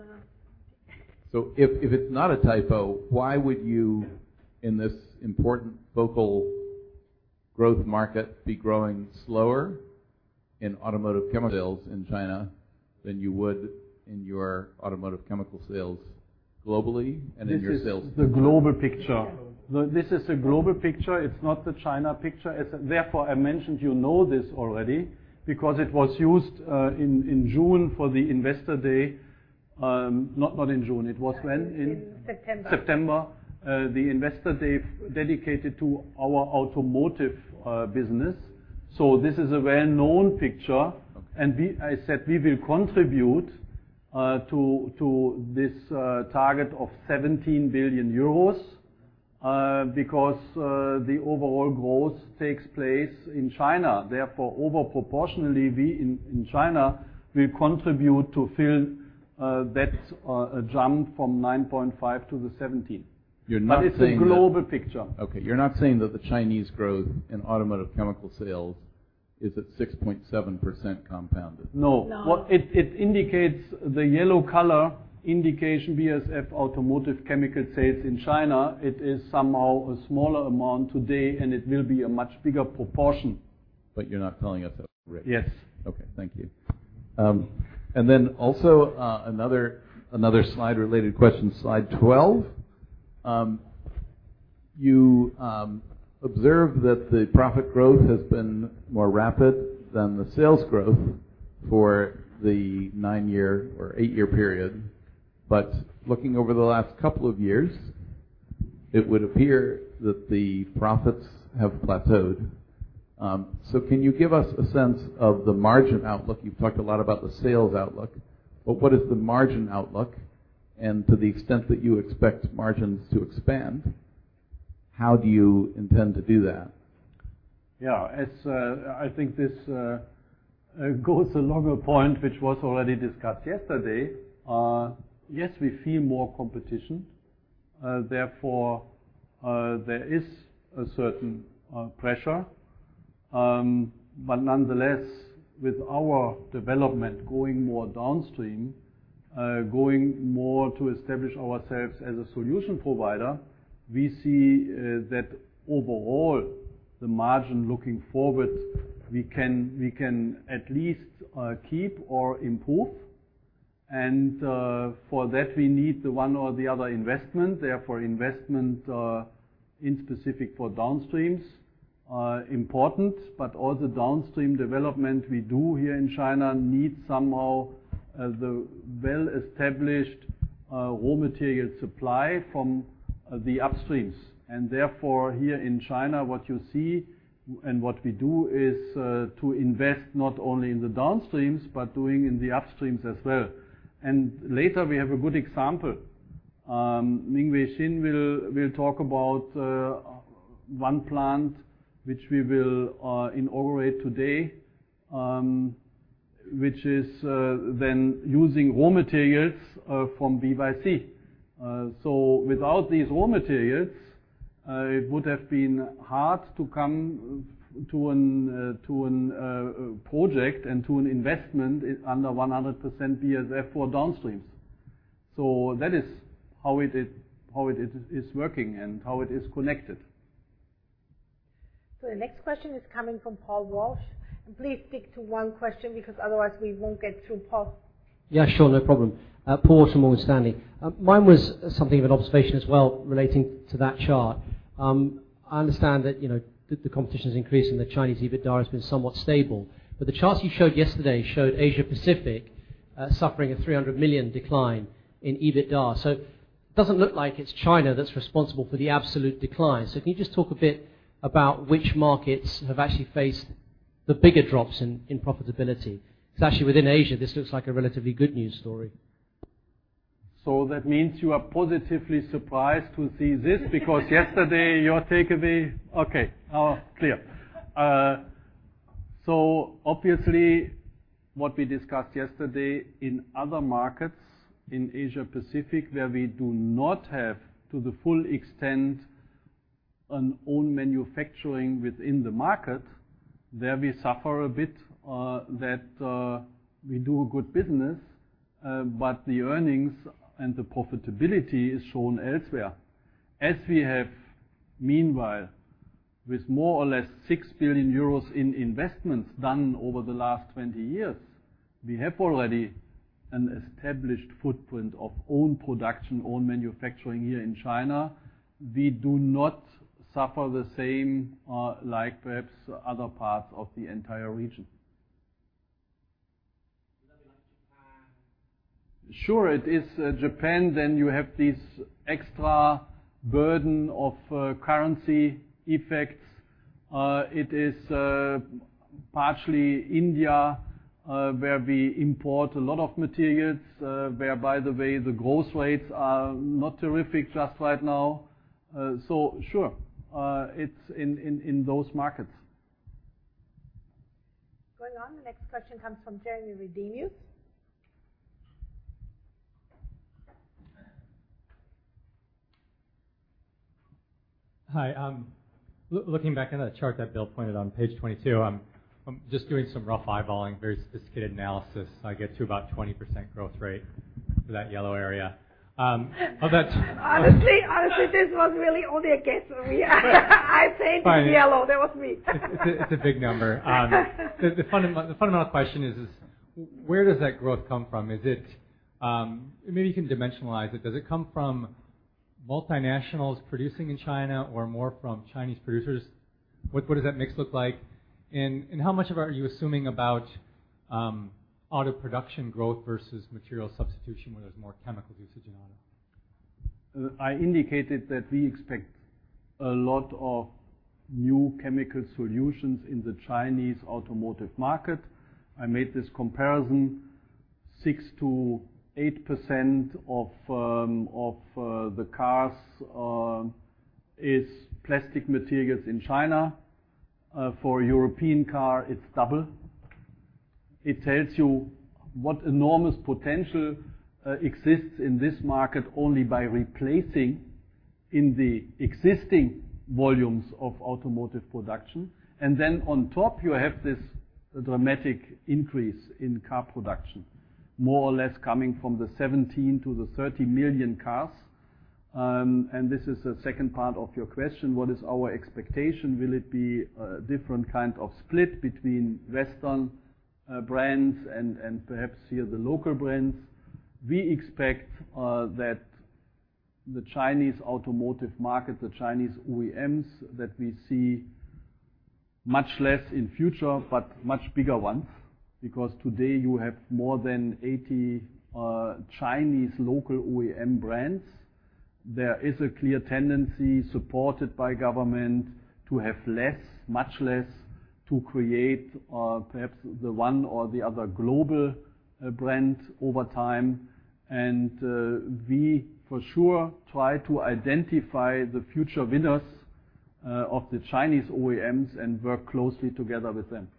no. If it's not a typo, why would you, in this important local growth market, be growing slower in automotive chemical sales in China than you would in your automotive chemical sales globally and in your sales? This is the global picture. This is the global picture. It's not the China picture. Therefore, I mentioned you know this already because it was used in June for the Investor Day. Not in June. It was when? In- In September. September. The Investor Day dedicated to our automotive business. This is a well-known picture. Okay. I said we will contribute to this target of 17 billion euros because the overall growth takes place in China. Therefore, over proportionally, we in China contribute to fill that jump from 9.5 to 17. You're not saying that. That is the global picture. Okay. You're not saying that the Chinese growth in automotive chemical sales is at 6.7% compounded? No. No. It indicates the yellow color indication BASF automotive chemical sales in China. It is somehow a smaller amount today, and it will be a much bigger proportion. You're not telling us that rate. Yes. Okay. Thank you. Then also another slide related question, slide 12. You observe that the profit growth has been more rapid than the sales growth for the nine-year or eight-year period. Looking over the last couple of years, it would appear that the profits have plateaued. Can you give us a sense of the margin outlook? You've talked a lot about the sales outlook, but what is the margin outlook? And to the extent that you expect margins to expand, how do you intend to do that? Yeah. As I think this goes along a point which was already discussed yesterday. Yes, we feel more competition, therefore, there is a certain pressure. Nonetheless, with our development going more downstream, going more to establish ourselves as a solution provider, we see that overall, the margin looking forward, we can at least keep or improve. For that, we need the one or the other investment. Therefore, investment in specific for downstreams are important, but all the downstream development we do here in China needs somehow the well-established raw material supply from the upstreams. Therefore, here in China, what you see and what we do is to invest not only in the downstreams but doing in the upstreams as well. Later, we have a good example. Mingwei Qin will talk about one plant which we will inaugurate today, which is then using raw materials from BASF-YPC. Without these raw materials, it would have been hard to come to a project and to an investment under 100% BASF for downstreams. That is how it is working and how it is connected. The next question is coming from Paul Walsh. Please stick to one question because otherwise we won't get through. Paul? Yeah, sure. No problem. Paul from Morgan Stanley. Mine was something of an observation as well relating to that chart. I understand that, you know, the competition is increasing, the Chinese EBITDA has been somewhat stable. The charts you showed yesterday showed Asia-Pacific suffering a 300 million decline in EBITDA. It doesn't look like it's China that's responsible for the absolute decline. Can you just talk a bit about which markets have actually faced the bigger drops in profitability? 'Cause actually within Asia, this looks like a relatively good news story. That means you are positively surprised to see this because yesterday your takeaway. Okay. Clear. Obviously, what we discussed yesterday, in other markets in Asia-Pacific, where we do not have, to the full extent, our own manufacturing within the market, there we suffer a bit, that we do good business, but the earnings and the profitability is shown elsewhere. As we have, meanwhile, with more or less 6 billion euros in investments done over the last 20 years, we have already an established footprint of own production, own manufacturing here in China. We do not suffer the same, like perhaps other parts of the entire region. Would that be like Japan? Sure. It is Japan. Then you have this extra burden of currency effects. It is partially India, where we import a lot of materials, where, by the way, the growth rates are not terrific just right now. Sure, it's in those markets. Going on. The next question comes from Jeremy Redenius. Hi. Looking back at that chart that Bill pointed on page 22, I'm just doing some rough eyeballing, very sophisticated analysis. I get to about 20% growth rate for that yellow area. Of that- Honestly, this was really only a guess from me. But- I said it's yellow. Fine. That was me. It's a big number. The fundamental question is where does that growth come from? Is it? Maybe you can dimensionalize it. Does it come from multinationals producing in China or more from Chinese producers? What does that mix look like? How much are you assuming about auto production growth versus material substitution, where there's more chemical usage in auto? I indicated that we expect a lot of new chemical solutions in the Chinese automotive market. I made this comparison, 6%-8% of the cars is plastic materials in China. For European car, it's double. It tells you what enormous potential exists in this market only by replacing in the existing volumes of automotive production. Then on top, you have this dramatic increase in car production, more or less coming from 17 to 30 million cars. This is the second part of your question, what is our expectation? Will it be a different kind of split between Western brands and perhaps here the local brands? We expect that the Chinese automotive market, the Chinese OEMs that we see much less in future, but much bigger ones. Because today you have more than 80 Chinese local OEM brands. There is a clear tendency, supported by government, to have less, much less, to create perhaps the one or the other global brand over time. We for sure try to identify the future winners of the Chinese OEMs and work closely together with them.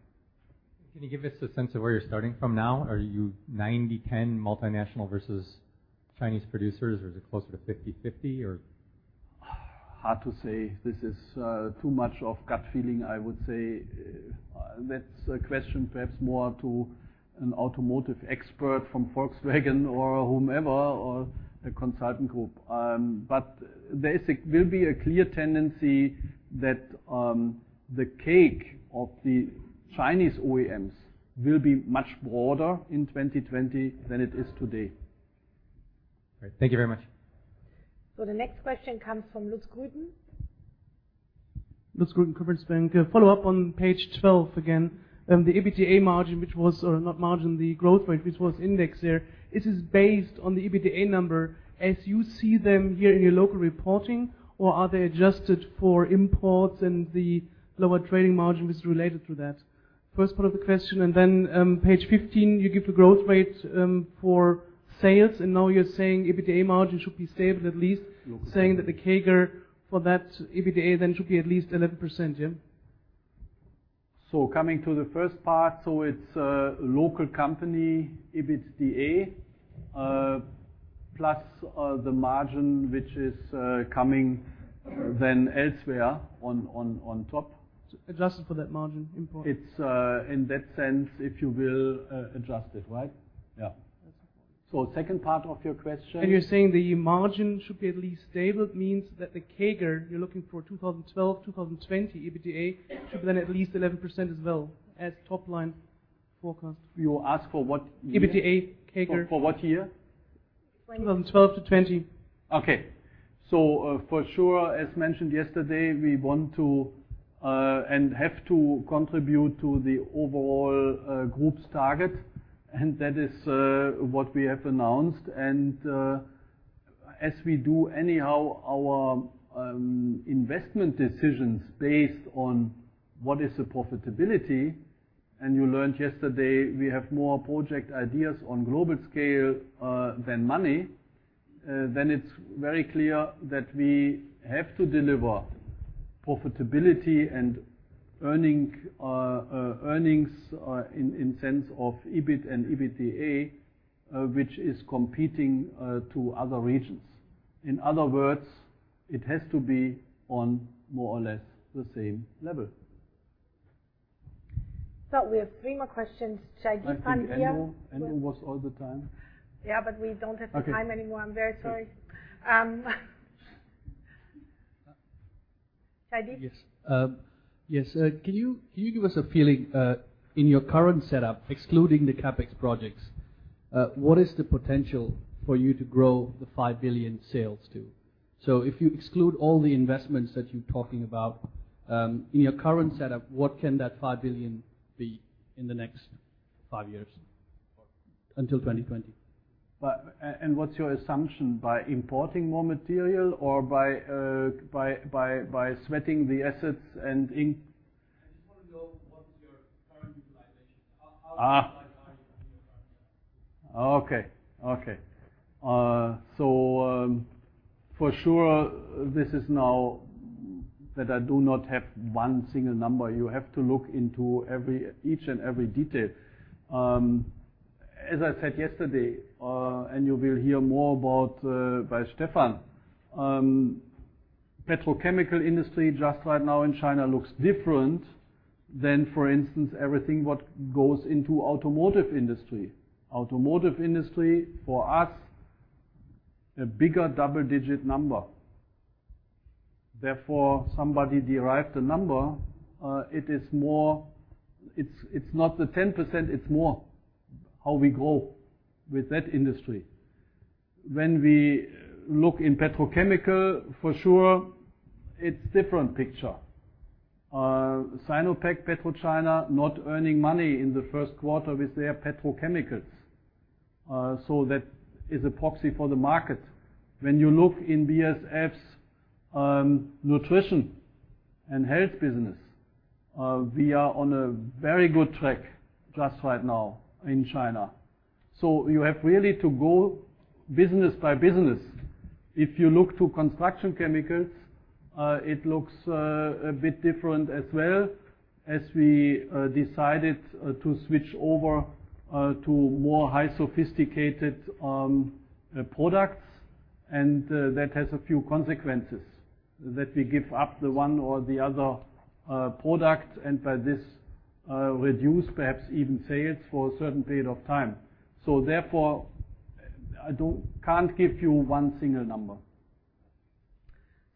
Can you give us a sense of where you're starting from now? Are you 90/10 multinational versus Chinese producers, or is it closer to 50/50 or? Hard to say. This is too much of a gut feeling, I would say. That's a question perhaps more to an automotive expert from Volkswagen or whomever or a consultant group. Basically, it will be a clear tendency that the cake of the Chinese OEMs will be much broader in 2020 than it is today. All right. Thank you very much. The next question comes from Lutz Grüten. Lutz Grüten, Commerzbank. A follow-up on page 12 again. The EBITDA margin, or not margin, the growth rate, which was indexed there, it is based on the EBITDA number as you see them here in your local reporting, or are they adjusted for imports and the lower trading margin, which is related to that? First part of the question, and then, page 15, you give the growth rate for sales, and now you're saying EBITDA margin should be stable, at least. Yes. Saying that the CAGR for that EBITDA then should be at least 11%. Yeah. Coming to the first part, it's a local company, EBITDA plus the margin which is coming then elsewhere on top. Adjusted for that margin improvement. It's in that sense, if you will, adjusted, right? Yeah. That's important. Second part of your question. You're saying the margin should be at least stable. It means that the CAGR you're looking for 2012, 2020 EBITDA should be then at least 11% as well as top line forecast. You ask for what year? EBITDA CAGR. For what year? Twenty. 2012 to 2020. Okay. For sure, as mentioned yesterday, we want to and have to contribute to the overall group's target, and that is what we have announced. As we do anyhow, our investment decisions based on what is the profitability, and you learned yesterday, we have more project ideas on global scale than money, then it's very clear that we have to deliver profitability and earnings in sense of EBIT and EBITDA, which is competing to other regions. In other words, it has to be on more or less the same level. We have three more questions. Shai G. here. I think Anu was all the time. We don't have the time anymore. Okay. I'm very sorry. Shai G. Yes. Can you give us a feeling in your current setup, excluding the CapEx projects, what is the potential for you to grow the 5 billion sales to? If you exclude all the investments that you're talking about, in your current setup, what can that 5 billion be in the next five years until 2020? What's your assumption? By importing more material or by sweating the assets and in- I just wanna know what is your current utilization. How utilized are you in your current setup? For sure, this is not that I do not have one single number. You have to look into every, each and every detail. As I said yesterday, you will hear more about by Stephan. Petrochemical industry just right now in China looks different than, for instance, everything what goes into automotive industry. Automotive industry, for us, a bigger double-digit number. Therefore, somebody derived the number. It is more. It is not the 10%, it is more how we grow with that industry. When we look in petrochemical, for sure, it is different picture. Sinopec, PetroChina not earning money in the first quarter with their petrochemicals. That is a proxy for the market. When you look in BASF's Nutrition & Health business, we are on a very good track just right now in China. You have really to go business by business. If you look to Construction Chemicals, it looks a bit different as well as we decided to switch over to more high sophisticated products, and that has a few consequences that we give up the one or the other product and by this reduce perhaps even sales for a certain period of time. Therefore, I can't give you one single number.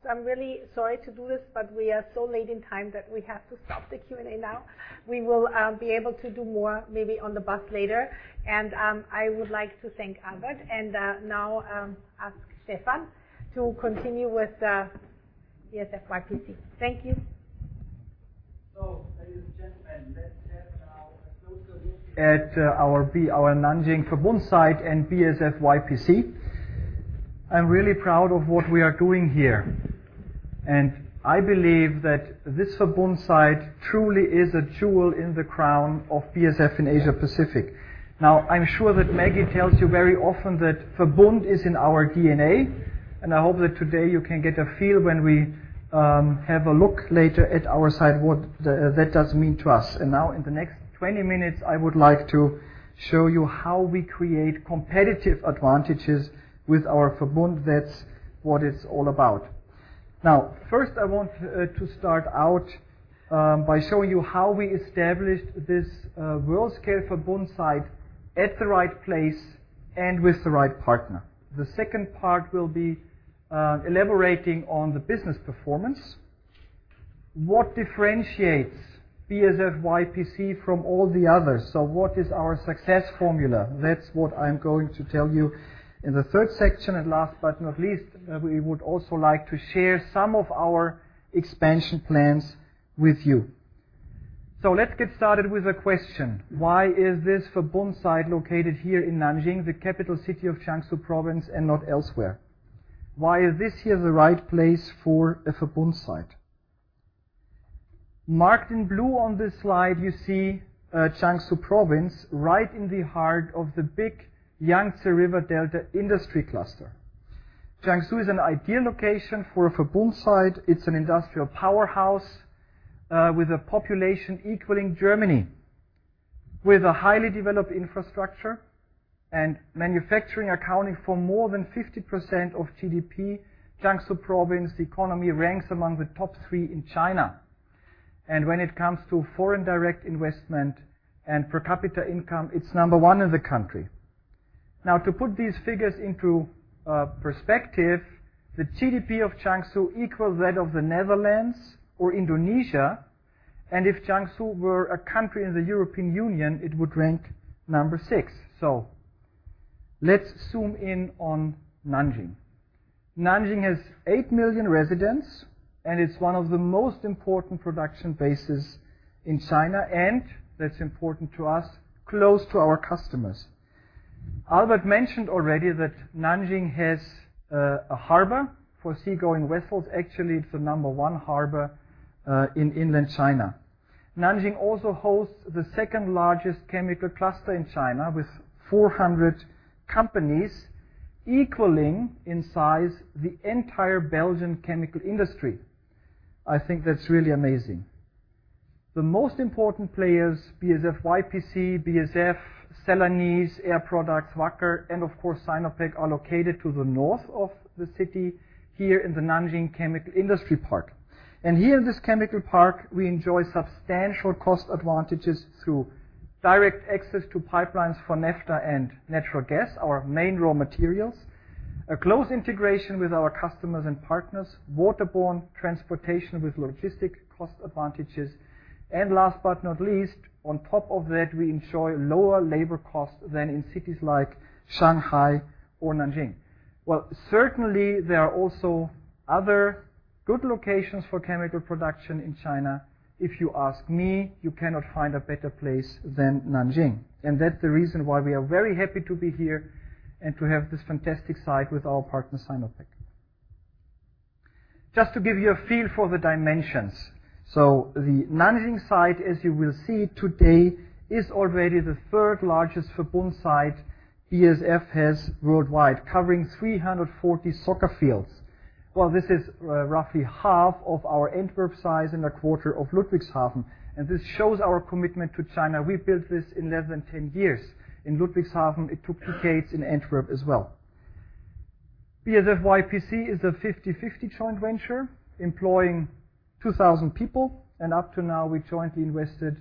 I'm really sorry to do this, but we are so late in time that we have to stop the Q&A now. We will be able to do more maybe on the bus later. I would like to thank Albert and now ask Stephan to continue with BASF-YPC. Thank you. Ladies and gentlemen, let's have now a closer look at our Nanjing Verbund site and BASF-YPC. I'm really proud of what we are doing here. I believe that this Verbund site truly is a jewel in the crown of BASF in Asia Pacific. Now, I'm sure that Maggie tells you very often that Verbund is in our DNA, and I hope that today you can get a feel when we have a look later at our site that does mean to us. Now in the next 20 minutes, I would like to show you how we create competitive advantages with our Verbund. That's what it's all about. Now, first, I want to start out by showing you how we established this world-scale Verbund site at the right place and with the right partner. The second part will be elaborating on the business performance. What differentiates BASF-YPC from all the others? What is our success formula? That's what I'm going to tell you. In the third section, and last but not least, we would also like to share some of our expansion plans with you. Let's get started with a question. Why is this Verbund site located here in Nanjing, the capital city of Jiangsu Province, and not elsewhere? Why is this here the right place for a Verbund site? Marked in blue on this slide, you see Jiangsu Province right in the heart of the big Yangtze River Delta industry cluster. Jiangsu is an ideal location for a Verbund site. It's an industrial powerhouse with a population equaling Germany. With a highly developed infrastructure and manufacturing accounting for more than 50% of GDP, Jiangsu Province economy ranks among the top three in China. When it comes to foreign direct investment and per capita income, it's number one in the country. Now, to put these figures into perspective, the GDP of Jiangsu equals that of the Netherlands or Indonesia. If Jiangsu were a country in the European Union, it would rank number six. Let's zoom in on Nanjing. Nanjing has 8 million residents, and it's one of the most important production bases in China, and that's important to us, close to our customers. Albert mentioned already that Nanjing has a harbor for seagoing vessels. Actually, it's the number one harbor in inland China. Nanjing also hosts the second-largest chemical cluster in China with 400 companies equaling in size the entire Belgian chemical industry. I think that's really amazing. The most important players, BASF-YPC, BASF, Celanese, Air Products, WACKER, and of course, Sinopec, are located to the north of the city here in the Nanjing Chemical Industry Park. Here in this chemical park, we enjoy substantial cost advantages through direct access to pipelines for naphtha and natural gas, our main raw materials, a close integration with our customers and partners, water-borne transportation with logistics cost advantages. Last but not least, on top of that, we enjoy lower labor costs than in cities like Shanghai or Nanjing. Well, certainly, there are also other good locations for chemical production in China. If you ask me, you cannot find a better place than Nanjing. That's the reason why we are very happy to be here and to have this fantastic site with our partner, Sinopec. Just to give you a feel for the dimensions. The Nanjing site, as you will see today, is already the third-largest Verbund site BASF has worldwide, covering 340 soccer fields. This is roughly half of our Antwerp size and a quarter of Ludwigshafen. This shows our commitment to China. We built this in less than 10 years. In Ludwigshafen, it took 2 decades, in Antwerp as well. BASF-YPC is a 50-50 joint venture employing 2,000 people, and up to now, we jointly invested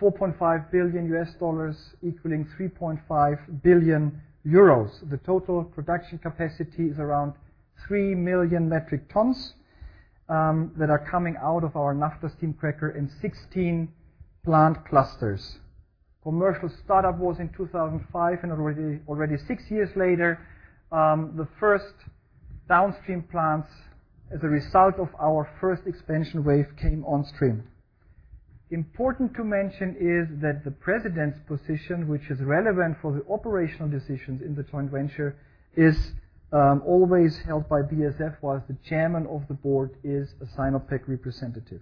$4.5 billion, equaling 3.5 billion euros. The total production capacity is around 3 million metric tons that are coming out of our naphtha steam cracker in 16 plant clusters. Commercial startup was in 2005, and already six years later, the first downstream plants as a result of our first expansion wave came on stream. Important to mention is that the president's position, which is relevant for the operational decisions in the joint venture, is always held by BASF, whilst the chairman of the board is a Sinopec representative.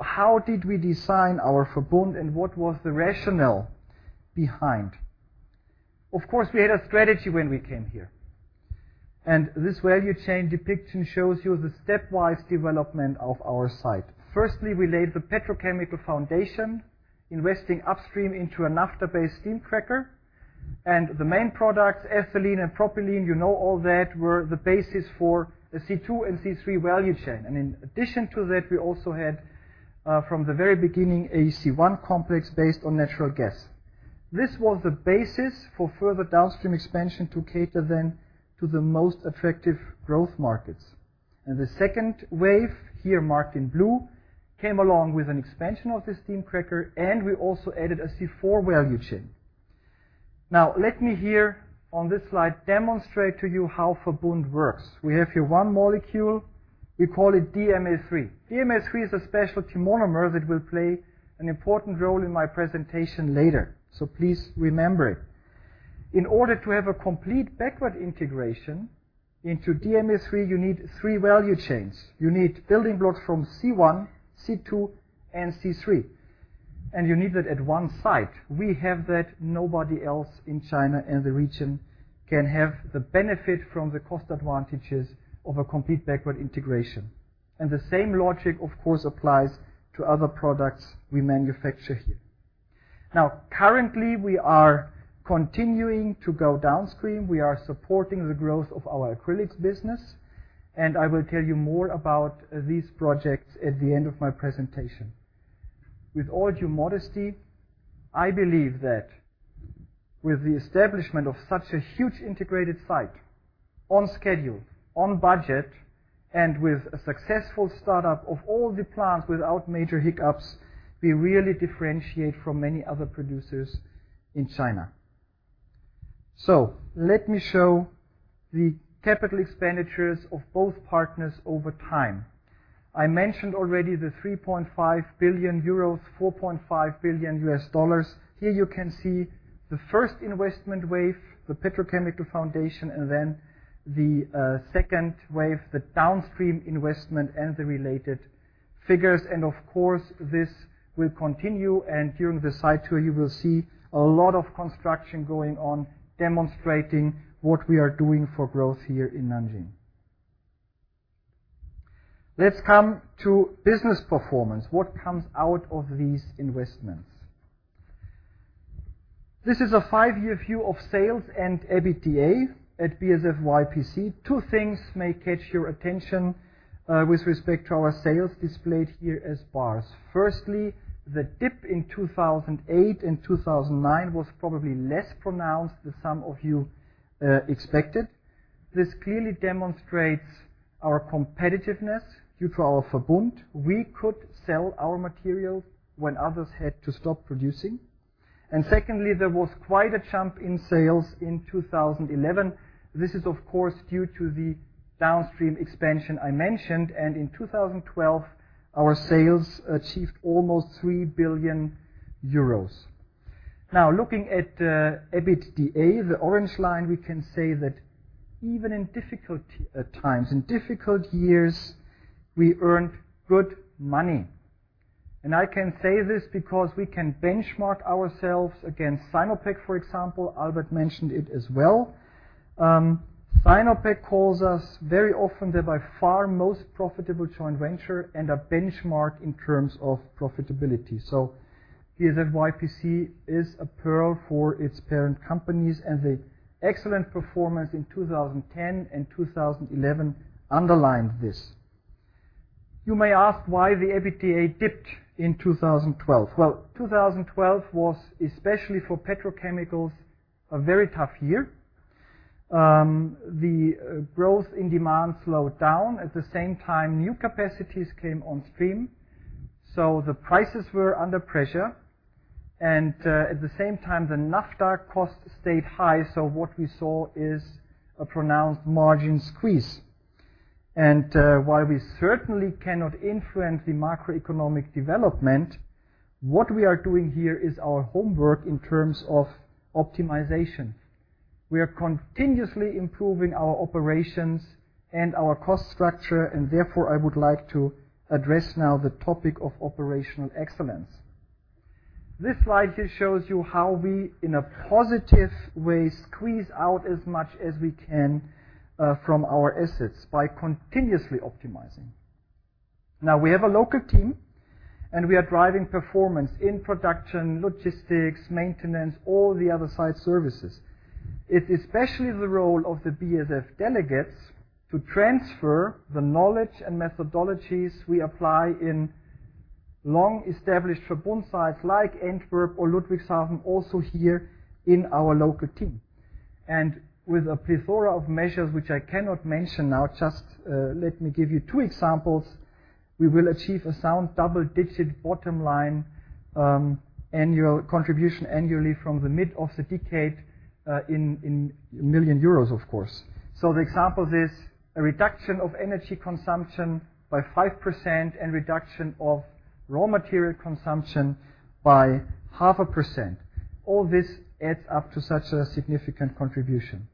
How did we design our Verbund and what was the rationale behind? Of course, we had a strategy when we came here, and this value chain depiction shows you the stepwise development of our site. Firstly, we laid the petrochemical foundation, investing upstream into a naphtha-based steam cracker. The main products, ethylene and propylene, you know all that, were the basis for a C2 and C3 value chain. In addition to that, we also had from the very beginning a C1 complex based on natural gas. This was the basis for further downstream expansion to cater then to the most effective growth markets. The second wave, here marked in blue, came along with an expansion of the steam cracker, and we also added a C4 value chain. Now let me here on this slide demonstrate to you how Verbund works. We have here one molecule, we call it DMA3. DMA3 is a specialty monomer that will play an important role in my presentation later. So please remember it. In order to have a complete backward integration into DMA3, you need three value chains. You need building blocks from C1, C2, and C3, and you need that at one site. We have that. Nobody else in China and the region can have the benefit from the cost advantages of a complete backward integration. The same logic, of course, applies to other products we manufacture here. Now currently, we are continuing to go downstream. We are supporting the growth of our acrylics business, and I will tell you more about these projects at the end of my presentation. With all due modesty, I believe that with the establishment of such a huge integrated site on schedule, on budget, and with a successful startup of all the plants without major hiccups, we really differentiate from many other producers in China. Let me show the capital expenditures of both partners over time. I mentioned already the 3.5 billion euros, $4.5 billion. Here you can see the first investment wave, the petrochemical foundation, and then the second wave, the downstream investment and the related figures. Of course, this will continue. During the site tour, you will see a lot of construction going on, demonstrating what we are doing for growth here in Nanjing. Let's come to business performance. What comes out of these investments? This is a five-year view of sales and EBITDA at BASF-YPC. Two things may catch your attention with respect to our sales displayed here as bars. Firstly, the dip in 2008 and 2009 was probably less pronounced than some of you expected. This clearly demonstrates our competitiveness due to our Verbund. We could sell our materials when others had to stop producing. Secondly, there was quite a jump in sales in 2011. This is of course due to the downstream expansion I mentioned. In 2012, our sales achieved almost 3 billion euros. Now looking at EBITDA, the orange line, we can say that even in difficult times, in difficult years, we earned good money. I can say this because we can benchmark ourselves against Sinopec, for example. Albert mentioned it as well. Sinopec calls us very often their by far most profitable joint venture and a benchmark in terms of profitability. BASF-YPC is a pearl for its parent companies, and the excellent performance in 2010 and 2011 underlined this. You may ask why the EBITDA dipped in 2012. Well, 2012 was, especially for petrochemicals, a very tough year. The growth in demand slowed down. At the same time, new capacities came on stream, so the prices were under pressure. While we certainly cannot influence the macroeconomic development, what we are doing here is our homework in terms of optimization. We are continuously improving our operations and our cost structure, and therefore, I would like to address now the topic of operational excellence. This slide here shows you how we in a positive way squeeze out as much as we can from our assets by continuously optimizing. Now we have a local team, and we are driving performance in production, logistics, maintenance, all the other site services. It's especially the role of the BASF delegates to transfer the knowledge and methodologies we apply in long-established Verbund sites like Antwerp or Ludwigshafen also here in our local team. With a plethora of measures which I cannot mention now, just, let me give you two examples. We will achieve a sound double-digit bottom line, annual contribution annually from the mid of the decade, in million euros, of course. The example is a reduction of energy consumption by 5% and reduction of raw material consumption by half a percent. All this adds up to such a significant contribution.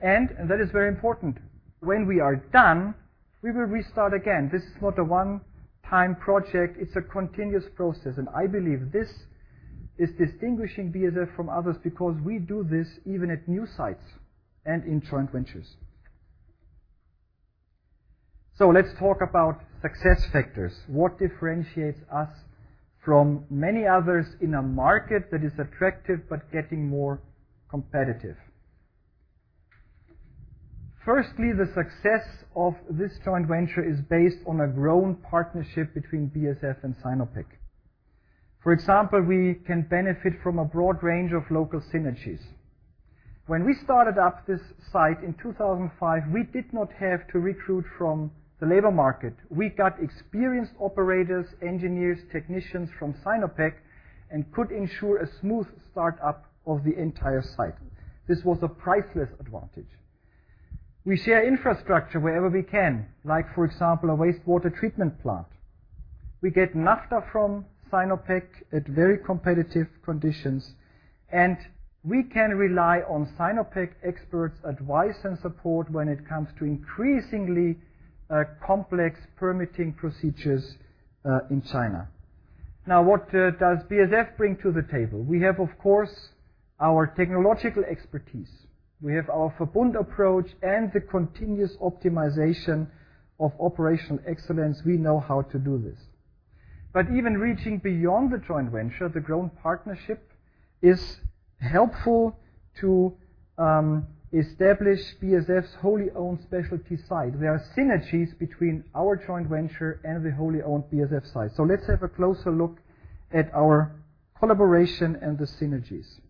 That is very important. When we are done, we will restart again. This is not a one-time project, it's a continuous process. I believe this is distinguishing BASF from others because we do this even at new sites and in joint ventures. Let's talk about success factors. What differentiates us from many others in a market that is attractive but getting more competitive? Firstly, the success of this joint venture is based on a grown partnership between BASF and Sinopec. For example, we can benefit from a broad range of local synergies. When we started up this site in 2005, we did not have to recruit from the labor market. We got experienced operators, engineers, technicians from Sinopec and could ensure a smooth start-up of the entire site. This was a priceless advantage. We share infrastructure wherever we can, like for example, a wastewater treatment plant. We get naphtha from Sinopec at very competitive conditions, and we can rely on Sinopec experts' advice and support when it comes to increasingly complex permitting procedures in China. Now, what does BASF bring to the table? We have, of course, our technological expertise. We have our Verbund approach and the continuous optimization of operational excellence. We know how to do this. Even reaching beyond the joint venture, the grown partnership is helpful to establish BASF's wholly-owned specialty site. There are synergies between our joint venture and the wholly-owned BASF site. Let's have a closer look at our collaboration and the synergies.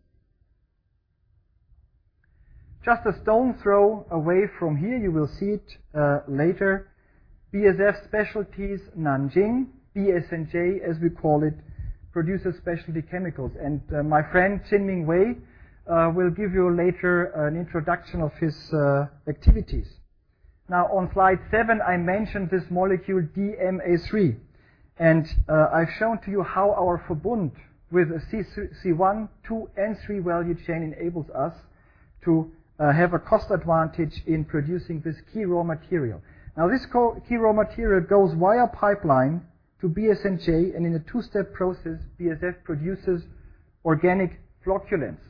Just a stone's throw away from here, you will see it later. BASF Specialties Nanjing, BSNJ as we call it, produces specialty chemicals. My friend Mingwei Qin will give you later an introduction of his activities. Now on slide seven, I mentioned this molecule DMA3, and I've shown to you how our Verbund with a C1, C2, and C3 value chain enables us to have a cost advantage in producing this key raw material. Now, this key raw material goes via pipeline to BSNJ Nanjing, and in a 2-step process, BASF produces organic flocculants.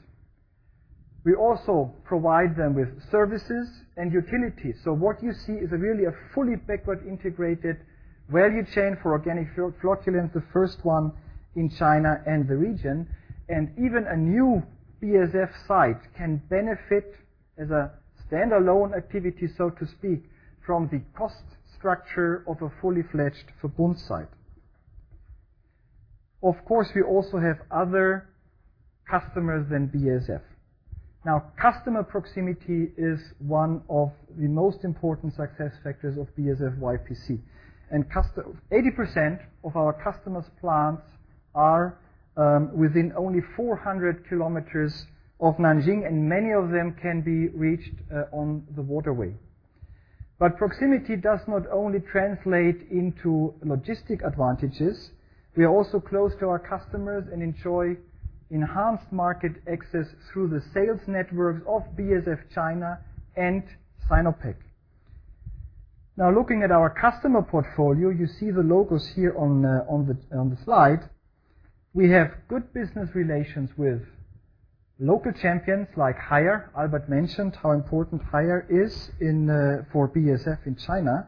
We also provide them with services and utilities. What you see is really a fully backward integrated value chain for organic flocculants, the first one in China and the region. Even a new BASF site can benefit as a standalone activity, so to speak, from the cost structure of a fully fledged Verbund site. Of course, we also have other customers than BASF. Now, customer proximity is one of the most important success factors of BASF-YPC. 80% of our customers' plants are within only 400km of Nanjing, and many of them can be reached on the waterway. Proximity does not only translate into logistical advantages. We are also close to our customers and enjoy enhanced market access through the sales networks of BASF China and Sinopec. Now looking at our customer portfolio, you see the logos here on the slide. We have good business relations with local champions like Haier. Albert mentioned how important Haier is for BASF in China.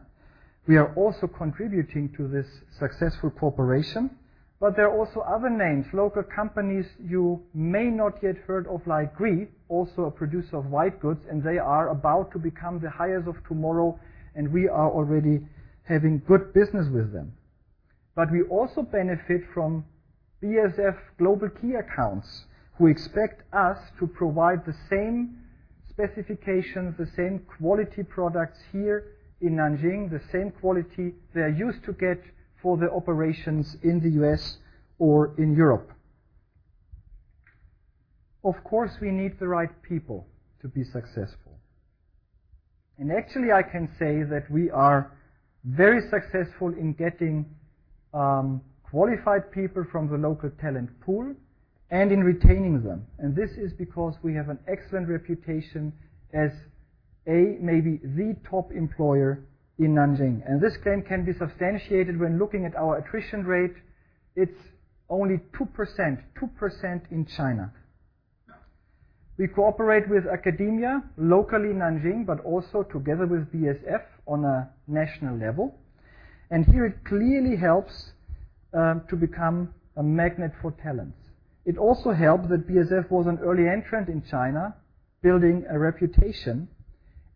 We are also contributing to this successful cooperation. There are also other names, local companies you may not yet heard of like Gree, also a producer of white goods, and they are about to become the Haiers of tomorrow, and we are already having good business with them. We also benefit from BASF global key accounts, who expect us to provide the same specifications, the same quality products here in Nanjing, the same quality they are used to get for the operations in the U.S. or in Europe. Of course, we need the right people to be successful. Actually, I can say that we are very successful in getting qualified people from the local talent pool and in retaining them. This is because we have an excellent reputation as a, maybe the top employer in Nanjing. This claim can be substantiated when looking at our attrition rate. It's only 2%. 2% in China. We cooperate with academia locally in Nanjing, but also together with BASF on a national level. Here it clearly helps to become a magnet for talents. It also helped that BASF was an early entrant in China, building a reputation.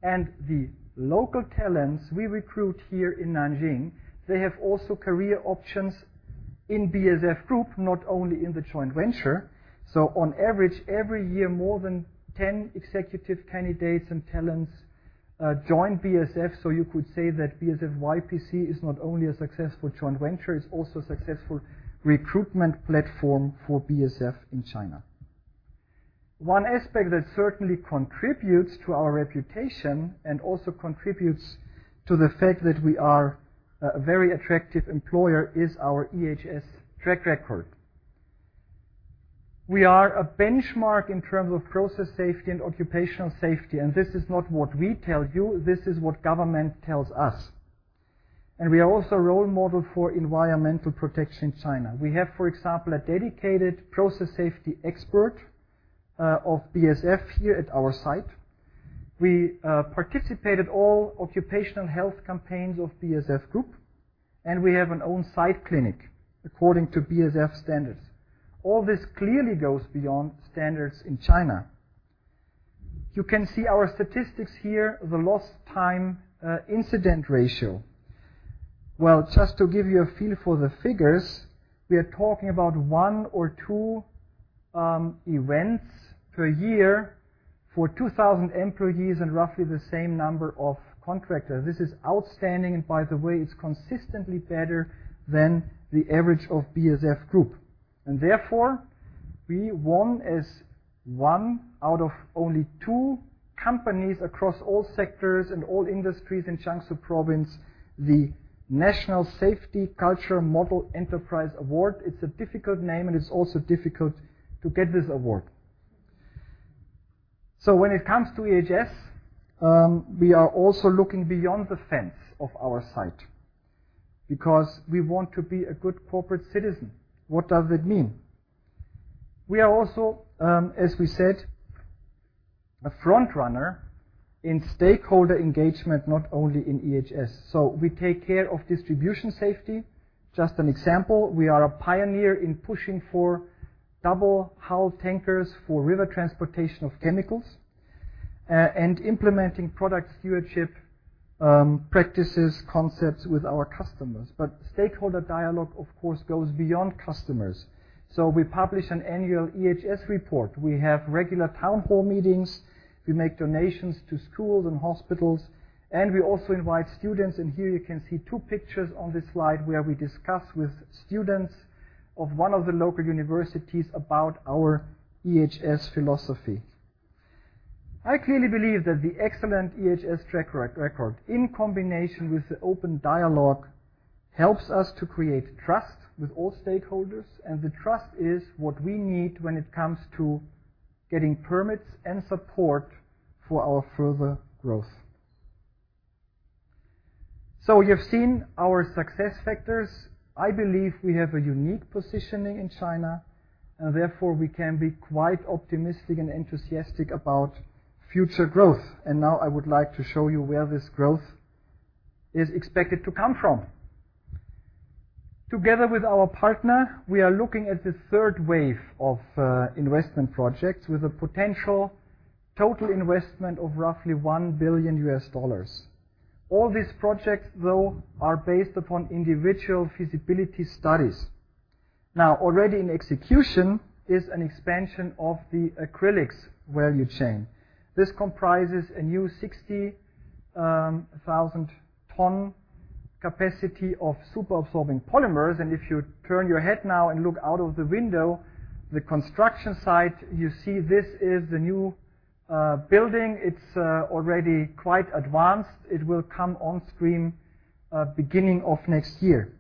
The local talents we recruit here in Nanjing, they have also career options in BASF Group, not only in the joint venture. On average, every year, more than 10 executive candidates and talents join BASF. You could say that BASF-YPC is not only a successful joint venture, it's also a successful recruitment platform for BASF in China. One aspect that certainly contributes to our reputation and also contributes to the fact that we are a very attractive employer is our EHS track record. We are a benchmark in terms of process safety and occupational safety, and this is not what we tell you, this is what government tells us. We are also a role model for environmental protection in China. We have, for example, a dedicated process safety expert of BASF here at our site. We participate at all occupational health campaigns of BASF Group, and we have an on-site clinic according to BASF standards. All this clearly goes beyond standards in China. You can see our statistics here, the lost time incident ratio. Well, just to give you a feel for the figures, we are talking about one or two events per year for 2,000 employees and roughly the same number of contractors. This is outstanding, and by the way, it's consistently better than the average of BASF Group. Therefore, we won as one out of only two companies across all sectors and all industries in Jiangsu Province, the National Safety Culture Model Enterprise Award. It's a difficult name, and it's also difficult to get this award. When it comes to EHS, we are also looking beyond the fence of our site because we want to be a good corporate citizen. What does it mean? We are also, as we said, a front-runner in stakeholder engagement, not only in EHS. We take care of distribution safety. Just an example, we are a pioneer in pushing for double hull tankers for river transportation of chemicals, and implementing product stewardship, practices, concepts with our customers. Stakeholder dialogue, of course, goes beyond customers. We publish an annual EHS report. We have regular town hall meetings. We make donations to schools and hospitals, and we also invite students. Here you can see two pictures on this slide where we discuss with students of one of the local universities about our EHS philosophy. I clearly believe that the excellent EHS track record in combination with the open dialogue helps us to create trust with all stakeholders, and the trust is what we need when it comes to getting permits and support for our further growth. You've seen our success factors. I believe we have a unique positioning in China, and therefore, we can be quite optimistic and enthusiastic about future growth. Now I would like to show you where this growth is expected to come from. Together with our partner, we are looking at the third wave of investment projects with a potential total investment of roughly $1 billion. All these projects, though, are based upon individual feasibility studies. Now, already in execution is an expansion of the acrylics value chain. This comprises a new 60,000 ton capacity of superabsorbent polymers. If you turn your head now and look out of the window, the construction site, you see this is the new building. It's already quite advanced. It will come on stream beginning of next year.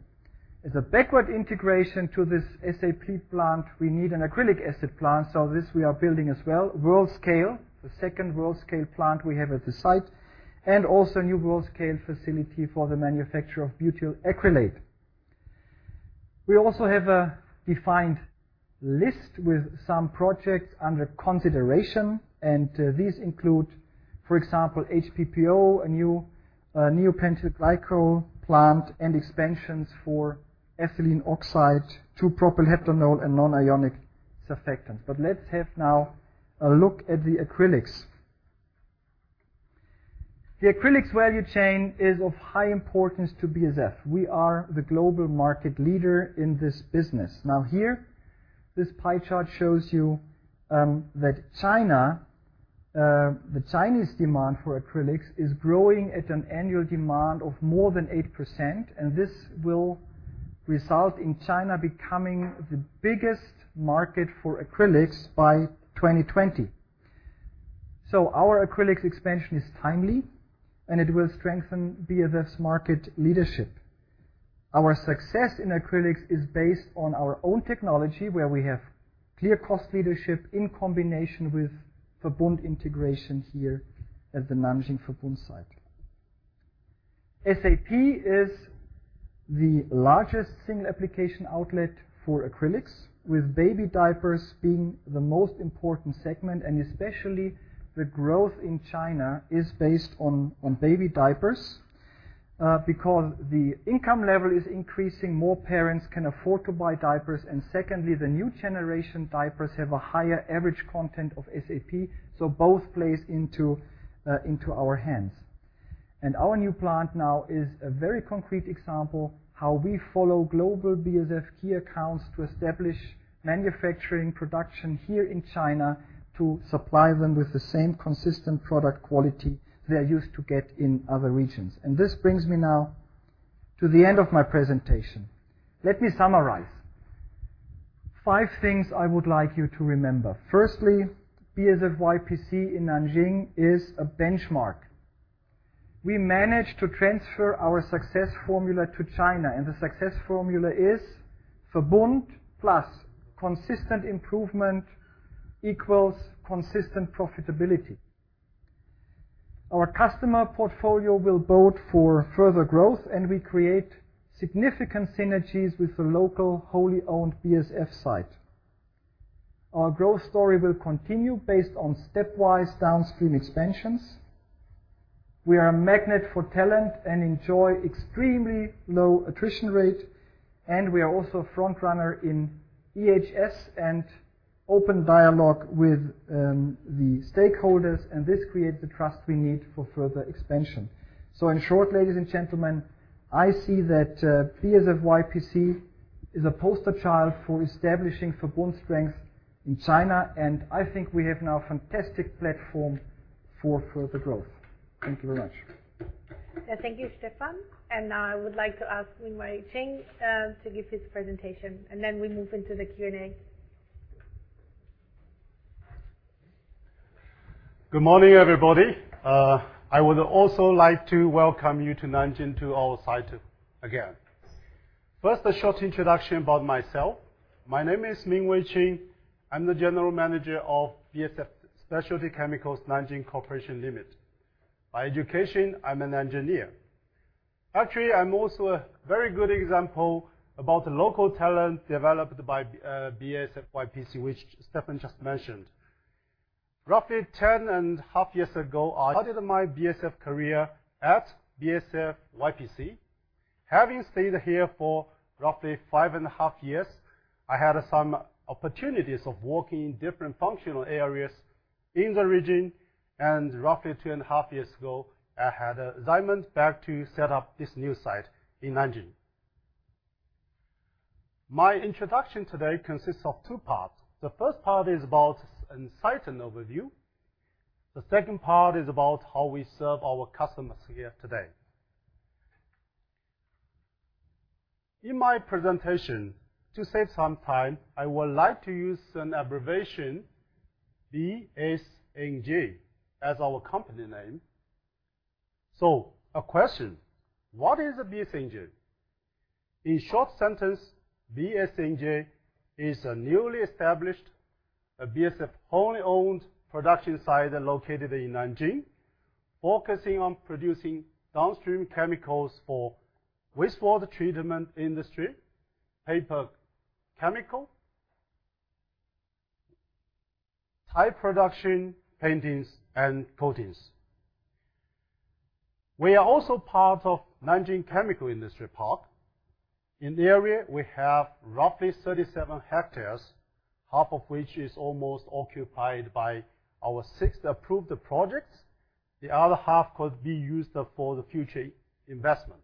As a backward integration to this SAP plant, we need an acrylic acid plant. This we are building as well. World scale, the second world scale plant we have at the site, and also a new world scale facility for the manufacture of butyl acrylate. We also have a defined list with some projects under consideration, and these include, for example, HPPO, a new neopentyl glycol plant, and expansions for ethylene oxide, 2-propylheptanol, and non-ionic surfactants. Let's have now a look at the acrylics. The acrylics value chain is of high importance to BASF. We are the global market leader in this business. Now here, this pie chart shows you that China, the Chinese demand for acrylics is growing at an annual demand of more than 8%, and this will result in China becoming the biggest market for acrylics by 2020. Our acrylics expansion is timely, and it will strengthen BASF's market leadership. Our success in acrylics is based on our own technology, where we have clear cost leadership in combination with Verbund integration here at the Nanjing Verbund site. SAP is the largest single application outlet for acrylics, with baby diapers being the most important segment, and especially the growth in China is based on baby diapers because the income level is increasing, more parents can afford to buy diapers. Secondly, the new generation diapers have a higher average content of SAP, so both plays into our hands. Our new plant now is a very concrete example how we follow global BASF key accounts to establish manufacturing production here in China to supply them with the same consistent product quality they're used to get in other regions. This brings me now to the end of my presentation. Let me summarize. Five things I would like you to remember. Firstly, BASF-YPC in Nanjing is a benchmark. We managed to transfer our success formula to China, and the success formula is Verbund plus consistent improvement equals consistent profitability. Our customer portfolio will bode for further growth, and we create significant synergies with the local wholly-owned BASF site. Our growth story will continue based on stepwise downstream expansions. We are a magnet for talent and enjoy extremely low attrition rate, and we are also frontrunner in EHS and open dialogue with the stakeholders, and this creates the trust we need for further expansion. In short, ladies and gentlemen, I see that BASF-YPC is a poster child for establishing Verbund strength in China, and I think we have now a fantastic platform for further growth. Thank you very much. Yeah. Thank you, Stephan. Now I would like to ask Mingwei Qin to give his presentation, and then we move into the Q&A. Good morning, everybody. I would also like to welcome you to Nanjing to our site again. First, a short introduction about myself. My name is Mingwei Qin. I'm the General Manager of BASF Specialty Chemicals (Nanjing) Co. Ltd. By education, I'm an engineer. Actually, I'm also a very good example about the local talent developed by BASF-YPC, which Stephan just mentioned. Roughly 10.5 years ago, I started my BASF career at BASF-YPC. Having stayed here for roughly 5.5 years, I had some opportunities of working in different functional areas in the region. Roughly 2.5 years ago, I had an assignment back to set up this new site in Nanjing. My introduction today consists of two parts. The first part is about the site and overview. The second part is about how we serve our customers here today. In my presentation, to save some time, I would like to use an abbreviation, BSNJ, as our company name. A question: What is BSNJ? In a short sentence, BSNJ is a newly established BASF wholly-owned production site located in Nanjing, focusing on producing downstream chemicals for wastewater treatment industry, paper chemicals, high-performance paints and coatings. We are also part of Nanjing Chemical Industry Park. In the area, we have roughly 37 hectares, half of which is almost occupied by our six approved projects. The other half could be used for the future investment.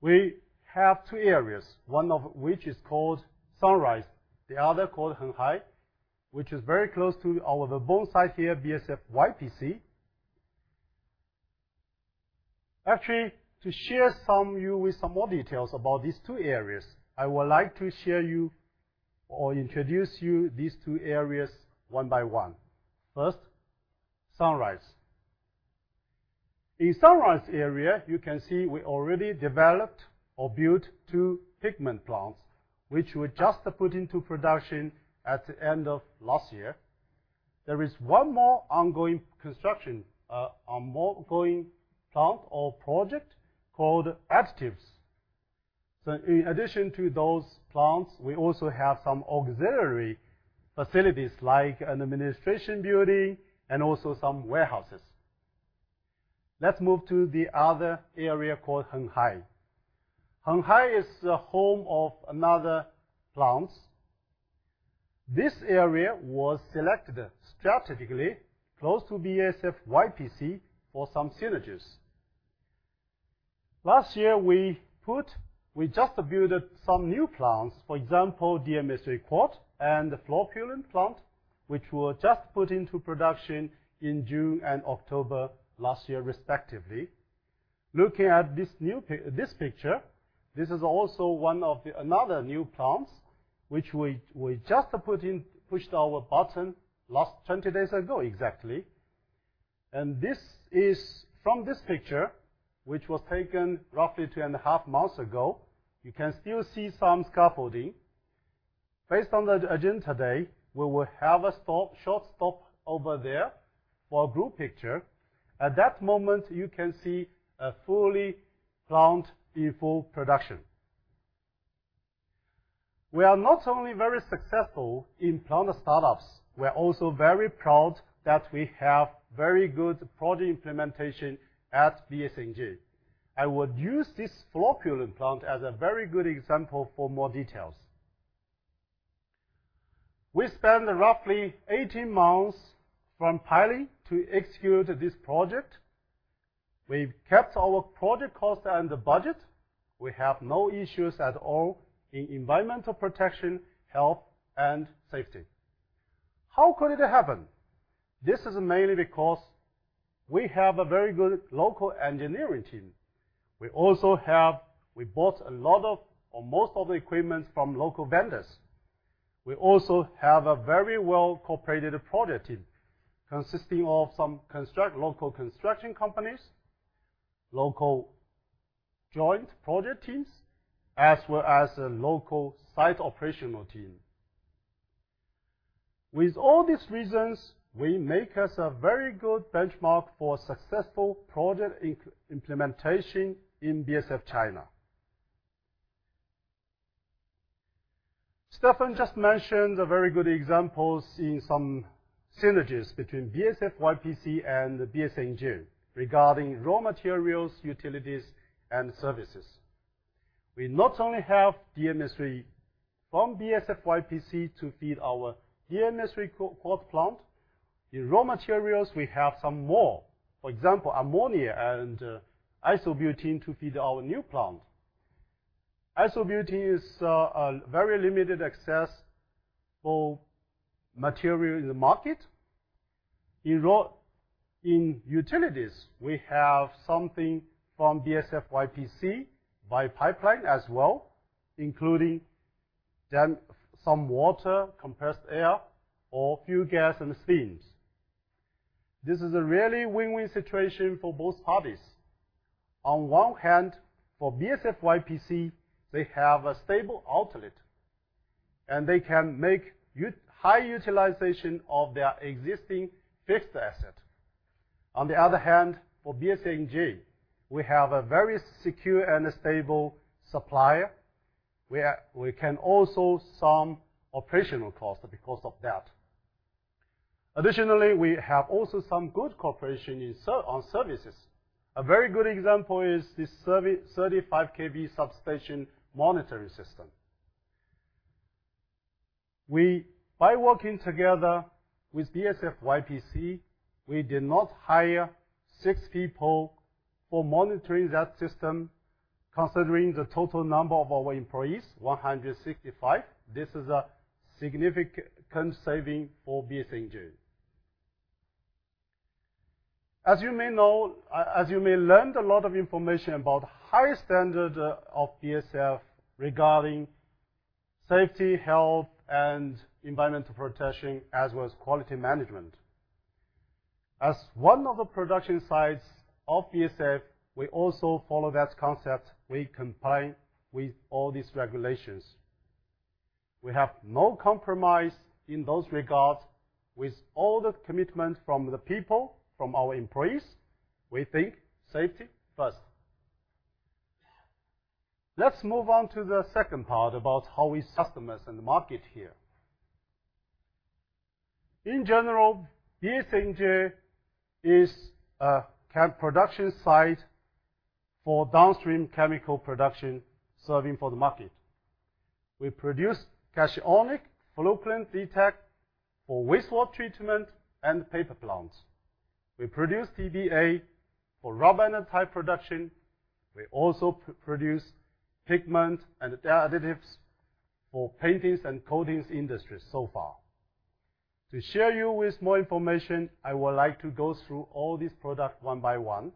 We have two areas, one of which is called Sunrise, the other called Henghai, which is very close to our Verbund site here, BASF-YPC. Actually, to share with some more details about these two areas, I would like to share with you or introduce you to these two areas one by one. First, Sunrise. In Sunrise area, you can see we already developed or built two pigment plants, which we just put into production at the end of last year. There is one more ongoing construction, a more ongoing plant or project called Additives. In addition to those plants, we also have some auxiliary facilities like an administration building and also some warehouses. Let's move to the other area called Henghai. Henghai is the home of another plants. This area was selected strategically close to BASF-YPC for some synergies. Last year, we just built some new plants. For example, DMSA quart and the flocculant plant, which were just put into production in June and October last year respectively. Looking at this picture, this is also one of another new plants which we just pushed our button 20 days ago exactly. This is from this picture, which was taken roughly two and a half months ago. You can still see some scaffolding. Based on the agenda today, we will have a short stop over there for a group picture. At that moment, you can see a full plant in full production. We are not only very successful in plant startups, we're also very proud that we have very good project implementation at BSNJ. I would use this flocculant plant as a very good example for more details. We spent roughly 18 months from piling to execute this project. We've kept our project costs under budget. We have no issues at all in environmental protection, health, and safety. How could it happen? This is mainly because we have a very good local engineering team. We bought a lot of, or most of the equipments from local vendors. We also have a very well-cooperative project team consisting of some local construction companies, local joint project teams, as well as a local site operational team. With all these reasons, we make us a very good benchmark for successful project implementation in BASF China. Stephan just mentioned the very good examples in some synergies between BASF-YPC and the BASF Nanjing regarding raw materials, utilities, and services. We not only have DMS-III from BASF-YPC to feed our DMS-III low-coke plant. In raw materials, we have some more. For example, ammonia and isobutene to feed our new plant. Isobutene is a very limited access for material in the market. In utilities, we have something from BASF-YPC by pipeline as well, including then some water, compressed air or fuel gas and steams. This is a really win-win situation for both parties. On one hand, for BASF-YPC, they have a stable outlet, and they can make high utilization of their existing fixed asset. On the other hand, for BASF Nanjing, we have a very secure and stable supplier. We can also save some operational costs because of that. Additionally, we have also some good cooperation on services. A very good example is this 35 kV substation monitoring system. We, by working together with BASF-YPC, we did not hire six people for monitoring that system. Considering the total number of our employees, 165, this is a significant saving for BASF Nanjing. As you may know, you may have learned a lot of information about high standard of BASF regarding safety, health and environmental protection, as well as quality management. As one of the production sites of BASF, we also follow that concept. We comply with all these regulations. We have no compromise in those regards with all the commitment from the people, from our employees. We think safety first. Let's move on to the second part about how we serve customers in the market here. In general, BASF Nanjing is a chem production site for downstream chemical production serving the market. We produce cationic flocculant Zetag for wastewater treatment and paper plants. We produce TBA for rubber and tire production. We also produce pigment and tire additives for paints and coatings industries so far. To share with you more information, I would like to go through all these products one by one.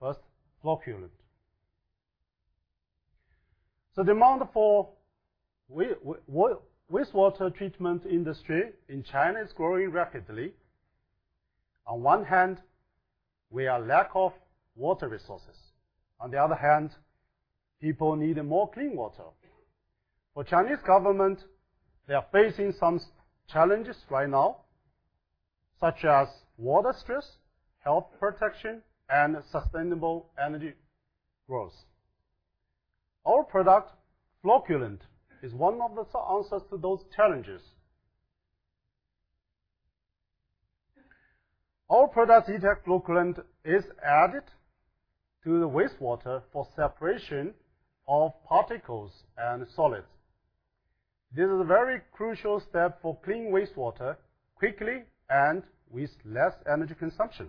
First, flocculant. The demand for wastewater treatment industry in China is growing rapidly. On one hand, we are lack of water resources. On the other hand, people need more clean water. For Chinese government, they are facing some challenges right now, such as water stress, health protection, and sustainable energy growth. Our product, flocculant, is one of the answers to those challenges. Our product Zetag flocculant is added to the wastewater for separation of particles and solids. This is a very crucial step for clean wastewater quickly and with less energy consumption.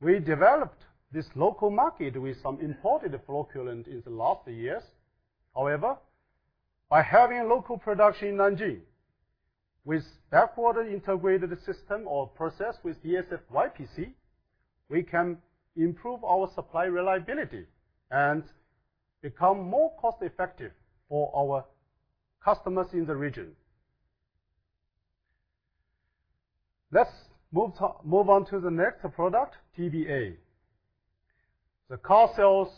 We developed this local market with some imported flocculant in the last years. However, by having local production in Nanjing with backward integrated system or process with BASF-YPC, we can improve our supply reliability and become more cost effective for our customers in the region. Let's move on to the next product, TBA. The car sales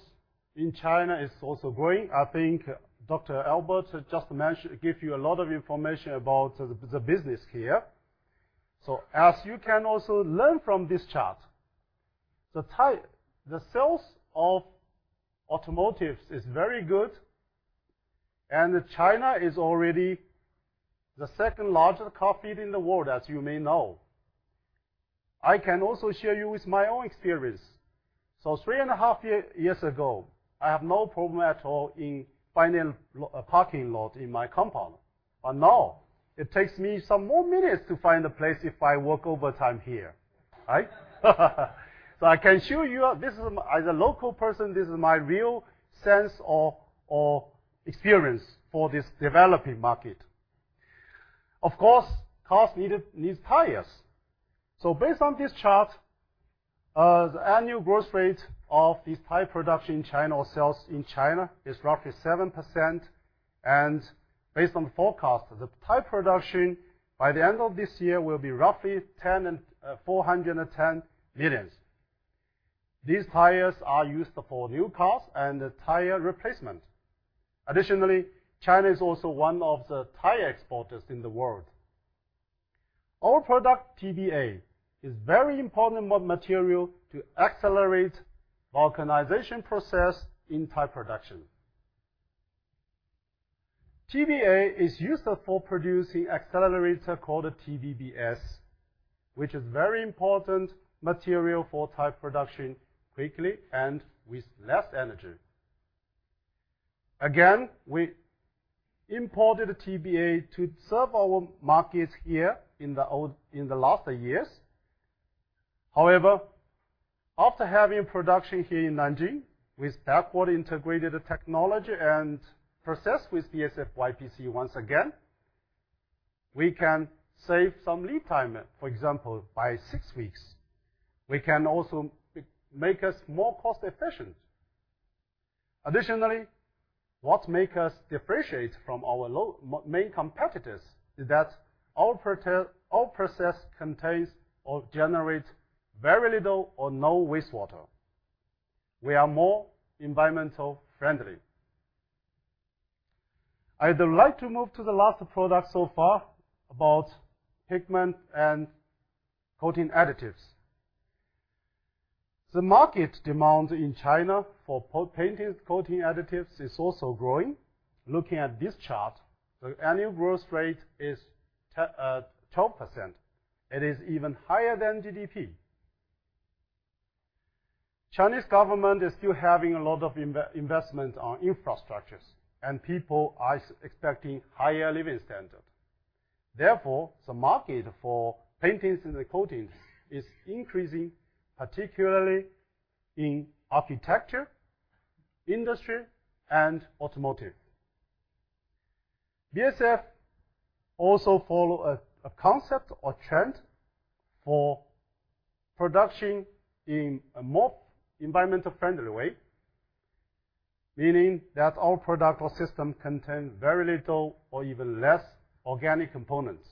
in China is also growing. I think Dr. Albert just mentioned, give you a lot of information about the business here. As you can also learn from this chart, the sales of automotives is very good and China is already the second-largest car fleet in the world, as you may know. I can also share with you my own experience. Three and a half years ago, I have no problem at all in finding a parking lot in my compound. Now it takes me some more minutes to find a place if I work overtime here, right? I can assure you, this is my real sense or experience for this developing market. As a local person, this is my real sense or experience for this developing market. Of course, cars need tires. Based on this chart, the annual growth rate of this tire production in China or sales in China is roughly 7%. Based on the forecast, the tire production by the end of this year will be roughly 1,040 million. These tires are used for new cars and tire replacement. Additionally, China is also one of the tire exporters in the world. Our product TBA is very important what material to accelerate vulcanization process in tire production. TBA is used for producing accelerator called TBBS, which is very important material for tire production quickly and with less energy. Again, we imported TBA to serve our markets here in the last years. However, after having production here in Nanjing, with backward integrated technology and process with BASF-YPC, once again, we can save some lead time, for example, by six weeks. We can also make us more cost efficient. Additionally, what make us differentiate from our main competitors is that our process contains or generates very little or no wastewater. We are more environmentally friendly. I'd like to move to the last product so far about pigment and coating additives. The market demand in China for paint and coating additives is also growing. Looking at this chart, the annual growth rate is 12%. It is even higher than GDP. Chinese government is still having a lot of investments on infrastructures, and people are expecting higher living standard. Therefore, the market for paintings and coatings is increasing, particularly in architecture, industry and automotive. BASF also follow a concept or trend for production in a more environmentally friendly way. Meaning that all product or system contain very little or even less organic components.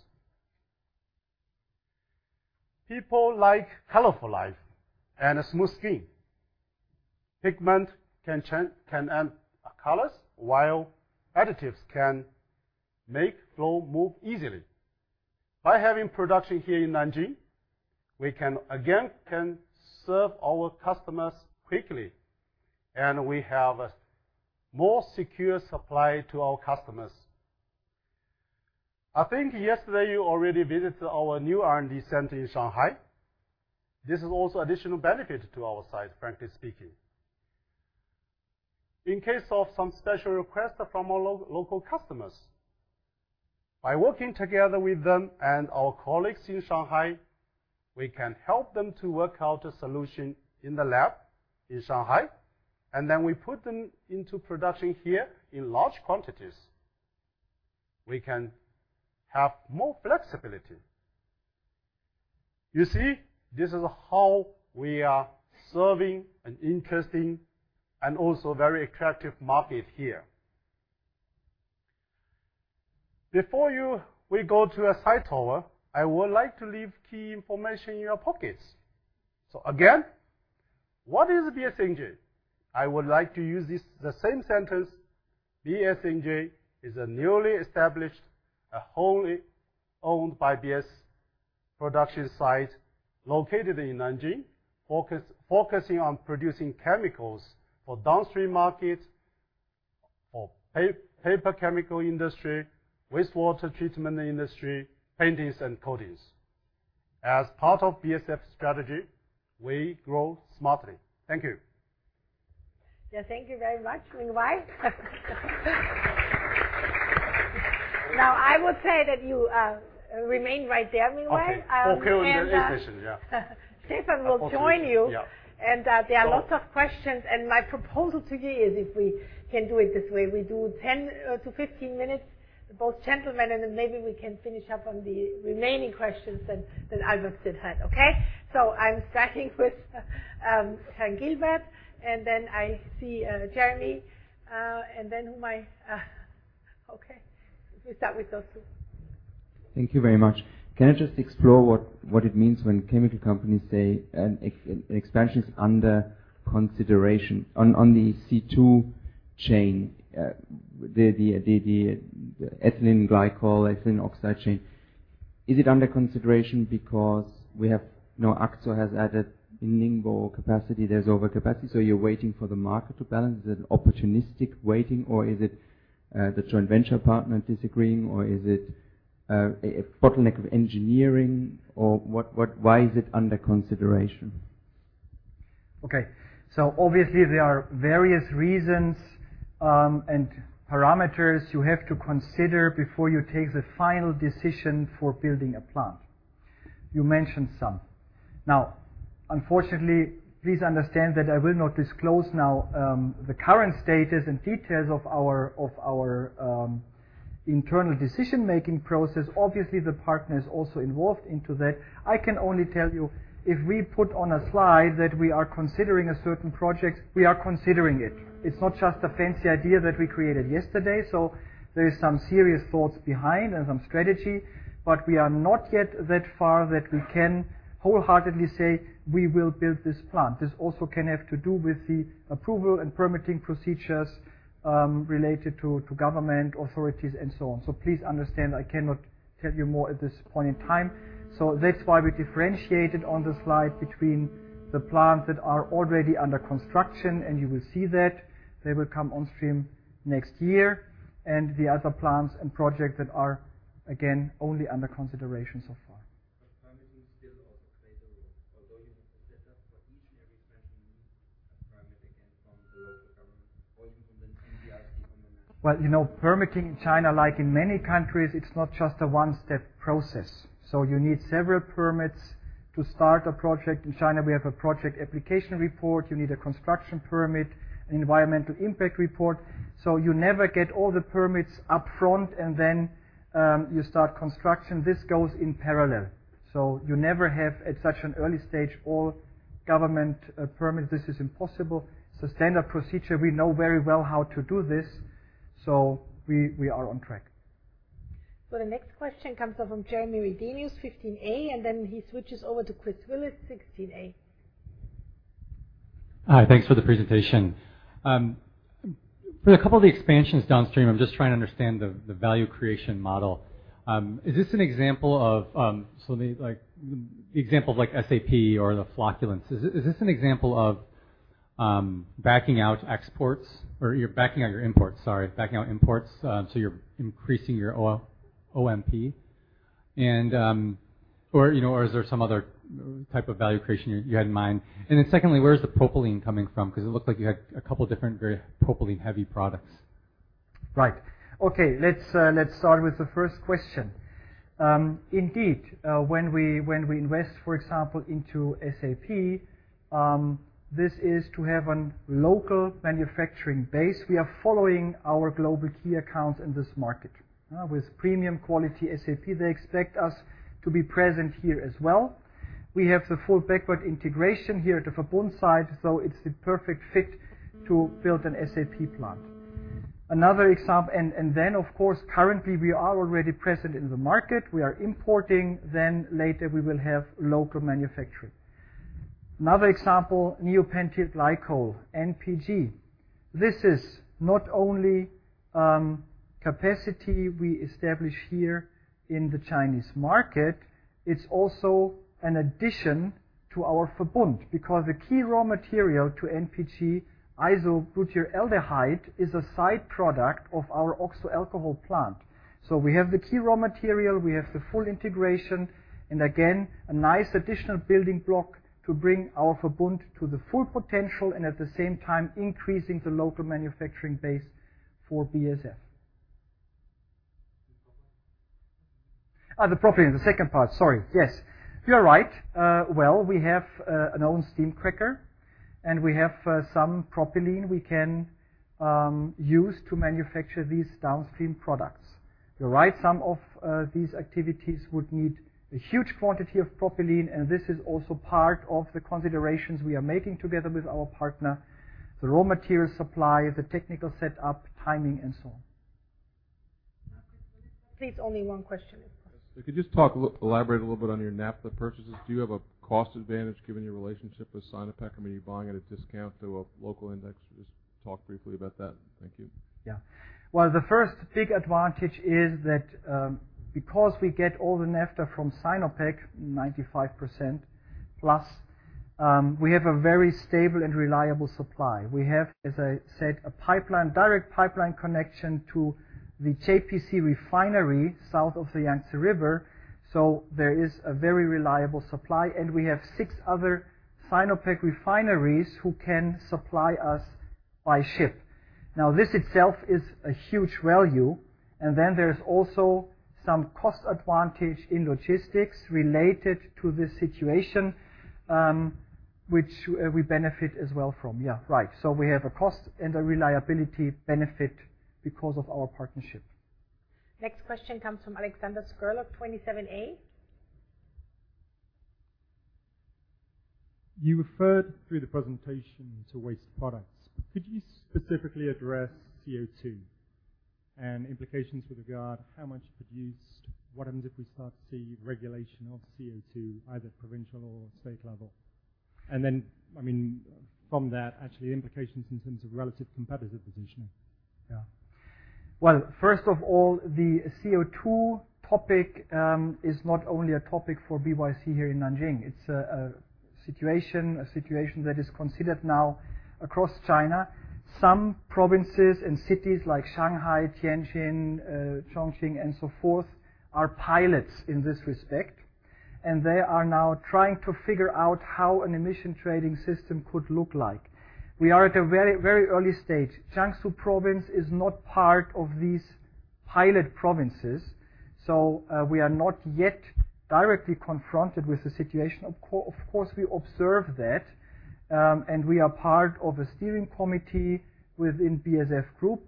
People like colorful life and a smooth skin. Pigment can add colors, while additives can make flow move easily. By having production here in Nanjing, we can serve our customers quickly, and we have a more secure supply to our customers. I think yesterday you already visited our new R&D center in Shanghai. This is also additional benefit to our site, frankly speaking. In case of some special requests from our local customers, by working together with them and our colleagues in Shanghai, we can help them to work out a solution in the lab in Shanghai, and then we put them into production here in large quantities. We can have more flexibility. You see, this is how we are serving an interesting and also very attractive market here. Before we go to a site tour, I would like to leave key information in your pockets. Again, what is BSNJ? I would like to use this the same sentence. BSNJ is a newly established, a wholly owned by BASF production site located in Nanjing, focusing on producing chemicals for downstream markets, for paper chemical industry, wastewater treatment industry, paints and coatings. As part of BASF strategy, we grow smartly. Thank you. Yeah. Thank you very much, Mingwei. Now, I would say that you remain right there, Mingwei. Okay. Focus on the efficient, yeah. Stephan will join you. Yeah. There are lots of questions. My proposal to you is if we can do it this way, we do 10-15 minutes, both gentlemen, and then maybe we can finish up on the remaining questions that Albert had. Okay. I'm starting with Thomas Gilbert, and then I see Jeremy, and then who am I. Okay. We start with those two. Thank you very much. Can I just explore what it means when chemical companies say an expansion is under consideration on the C2 chain, the ethylene glycol, ethylene oxide chain. Is it under consideration because now AkzoNobel has added in Ningbo capacity, there's overcapacity, so you're waiting for the market to balance? Is it opportunistic waiting or is it- The joint venture partner disagreeing, or is it a bottleneck of engineering? Or why is it under consideration? Okay. Obviously, there are various reasons and parameters you have to consider before you take the final decision for building a plant. You mentioned some. Now, unfortunately, please understand that I will not disclose now the current status and details of our internal decision-making process. Obviously, the partner is also involved into that. I can only tell you if we put on a slide that we are considering a certain project, we are considering it. It's not just a fancy idea that we created yesterday, so there is some serious thoughts behind and some strategy. We are not yet that far that we can wholeheartedly say, we will build this plant. This also can have to do with the approval and permitting procedures related to government authorities and so on. Please understand, I cannot tell you more at this point in time. That's why we differentiated on the slide between the plants that are already under construction, and you will see that. They will come on stream next year. The other plants and projects that are, again, only under consideration so far. Permitting still also plays a role. Although you have the setup, but each and every expansion needs a permit again from the local government or even from the NDRC on the national- Well, you know, permitting in China, like in many countries, it's not just a one-step process. You need several permits to start a project. In China, we have a project application report. You need a construction permit, an Environmental Impact Report. You never get all the permits up front and then you start construction. This goes in parallel. You never have, at such an early stage, all government permits. This is impossible. It's a standard procedure. We know very well how to do this, so we are on track. The next question comes from Jeremy Redenius, 15A, and then he switches over to Chris Willis, 16A. Hi. Thanks for the presentation. For a couple of the expansions downstream, I'm just trying to understand the value creation model. Is this an example of like SAP or the flocculants? Is this an example of backing out exports? Or you're backing out your imports, sorry, so you're increasing your OMP. You know, or is there some other type of value creation you had in mind? Secondly, where is the propylene coming from? 'Cause it looks like you had a couple different very propylene-heavy products. Right. Okay. Let's start with the first question. Indeed, when we invest, for example, into SAP, this is to have a local manufacturing base. We are following our global key accounts in this market with premium quality SAP. They expect us to be present here as well. We have the full backward integration here at the Verbund site, so it's the perfect fit to build an SAP plant. Another example. Of course, currently we are already present in the market. We are importing, then later we will have local manufacturing. Another example, neopentyl glycol, NPG. This is not only capacity we establish here in the Chinese market, it's also an addition to our Verbund because the key raw material to NPG, isobutyraldehyde, is a side product of our oxo alcohol plant. We have the key raw material, we have the full integration, and again, a nice additional building block to bring our Verbund to the full potential and at the same time increasing the local manufacturing base for BASF. The propylene. The propylene, the second part. Sorry. Yes, you're right. Well, we have an own steam cracker, and we have some propylene we can use to manufacture these downstream products. You're right, some of these activities would need a huge quantity of propylene, and this is also part of the considerations we are making together with our partner. The raw material supply, the technical set up, timing, and so on. Please, only one question. If you could just elaborate a little bit on your naphtha purchases. Do you have a cost advantage given your relationship with Sinopec? I mean, are you buying at a discount to a local index? Just talk briefly about that. Thank you. Well, the first big advantage is that because we get all the naphtha from Sinopec, 95% plus, we have a very stable and reliable supply. We have, as I said, a pipeline, direct pipeline connection to the YPC refinery south of the Yangtze River, so there is a very reliable supply. We have 6 other Sinopec refineries who can supply us by ship. This itself is a huge value. Then there is also some cost advantage in logistics related to this situation, which we benefit as well from. Yeah. Right. We have a cost and a reliability benefit because of our partnership. Next question comes from Alexander Scurlock, 27 A. You referred to the presentation to waste products. Could you specifically address CO2 and implications with regard to how much is produced? What happens if we start to see regulation of CO2, either provincial or state level? I mean, from that, actually implications in terms of relative competitive positioning. Well, first of all, the CO2 topic is not only a topic for BASF-YPC here in Nanjing. It's a situation that is considered now across China. Some provinces and cities like Shanghai, Tianjin, Chongqing and so forth are pilots in this respect, and they are now trying to figure out how an emission trading system could look like. We are at a very, very early stage. Jiangsu Province is not part of these pilot provinces, so we are not yet directly confronted with the situation. Of course, we observe that, and we are part of a steering committee within BASF Group.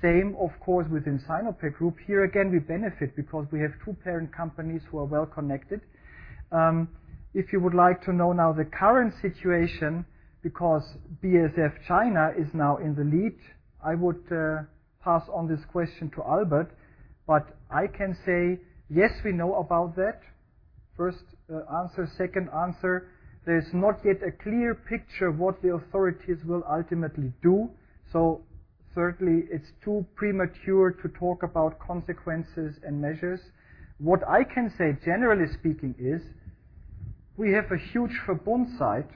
Same, of course, within Sinopec Group. Here again, we benefit because we have two parent companies who are well connected. If you would like to know now the current situation, because BASF China is now in the lead, I would pass on this question to Albert. I can say, yes, we know about that, first answer. Second answer, there is not yet a clear picture what the authorities will ultimately do, so thirdly, it's too premature to talk about consequences and measures. What I can say, generally speaking, is we have a huge Verbund site,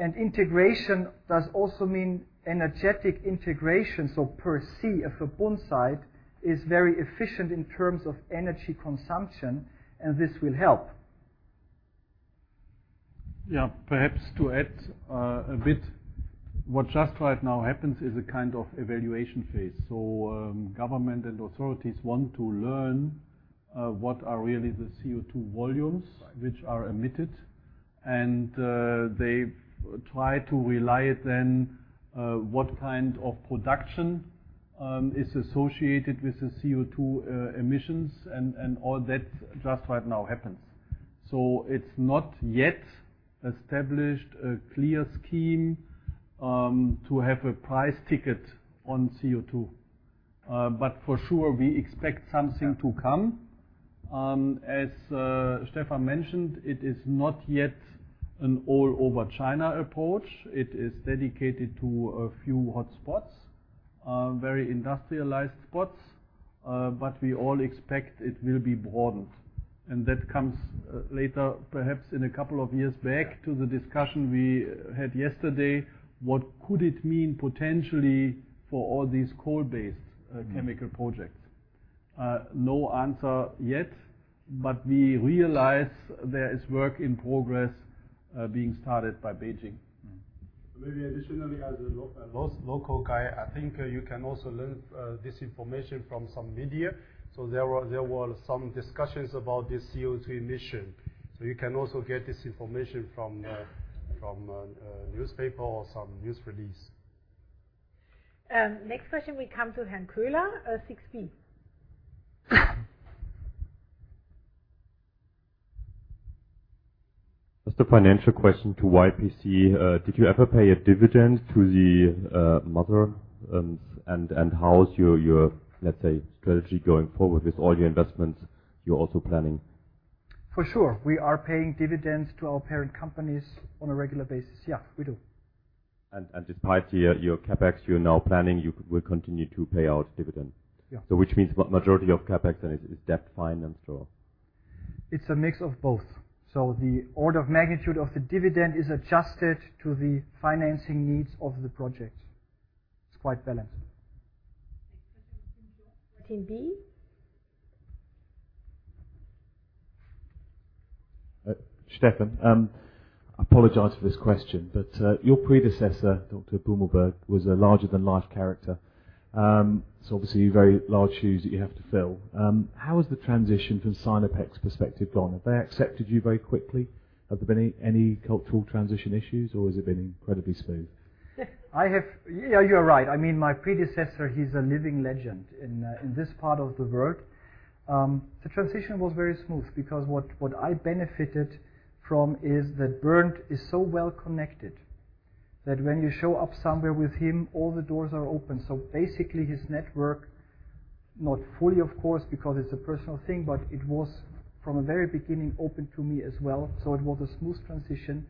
and integration does also mean energetic integration. Per se, a Verbund site is very efficient in terms of energy consumption, and this will help. Yeah. Perhaps to add a bit, what just right now happens is a kind of evaluation phase. Government and authorities want to learn what are really the CO2 volumes- Right. which are emitted. They try to rely then what kind of production is associated with the CO2 emissions and all that just right now happens. It's not yet established a clear scheme to have a price ticket on CO2. For sure we expect something to come. As Stephan mentioned, it is not yet an all-over China approach. It is dedicated to a few hotspots, very industrialized spots. We all expect it will be broadened. That comes later, perhaps in a couple of years. Back to the discussion we had yesterday, what could it mean potentially for all these coal-based chemical projects? No answer yet, but we realize there is work in progress being started by Beijing. Mm-hmm. Maybe additionally, as a local guy, I think you can also learn this information from some media. There were some discussions about the CO2 emission. You can also get this information from a newspaper or some news release. Next question will come to Hank Kohler, UBS. Just a financial question to YPC. Did you ever pay a dividend to the mother? How is your, let's say, strategy going forward with all your investments you're also planning? For sure. We are paying dividends to our parent companies on a regular basis. Yeah, we do. Despite your CapEx you're now planning, you will continue to pay out dividend? Yeah. Which means majority of CapEx then is debt financed or? It's a mix of both. The order of magnitude of the dividend is adjusted to the financing needs of the project. It's quite balanced. Next question, team yellow, team B. Stephan, I apologize for this question, but your predecessor, Dr. Brudermüller, was a larger-than-life character. Obviously very large shoes that you have to fill. How has the transition from Sinopec's perspective gone? Have they accepted you very quickly? Have there been any cultural transition issues, or has it been incredibly smooth? Yeah, you are right. I mean, my predecessor, he's a living legend in this part of the world. The transition was very smooth because what I benefited from is that Bernd is so well connected, that when you show up somewhere with him, all the doors are open. Basically, his network, not fully of course, because it's a personal thing, but it was from the very beginning open to me as well. It was a smooth transition.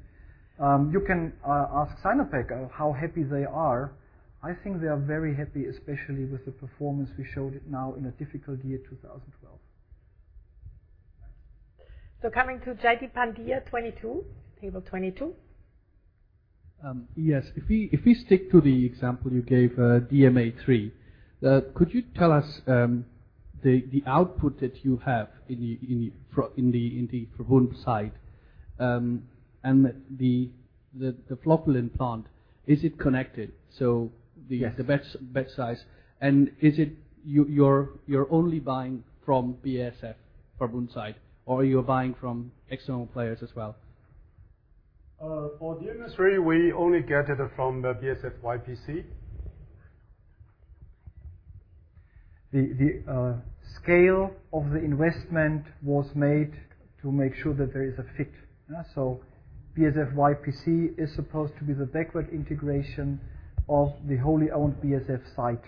You can ask Sinopec how happy they are. I think they are very happy, especially with the performance we showed now in a difficult year, 2012. Coming to Jaideep Pandya, 22. Table 22. Yes. If we stick to the example you gave, DMA3, could you tell us the output that you have in the Verbund site? And the flocculant plant, is it connected? Yes. The batch size. Is it you're only buying from BASF Verbund site, or you're buying from external players as well? For DMA3 we only get it from the BASF-YPC. The scale of the investment was made to make sure that there is a fit. BASF-YPC is supposed to be the backward integration of the wholly owned BASF site.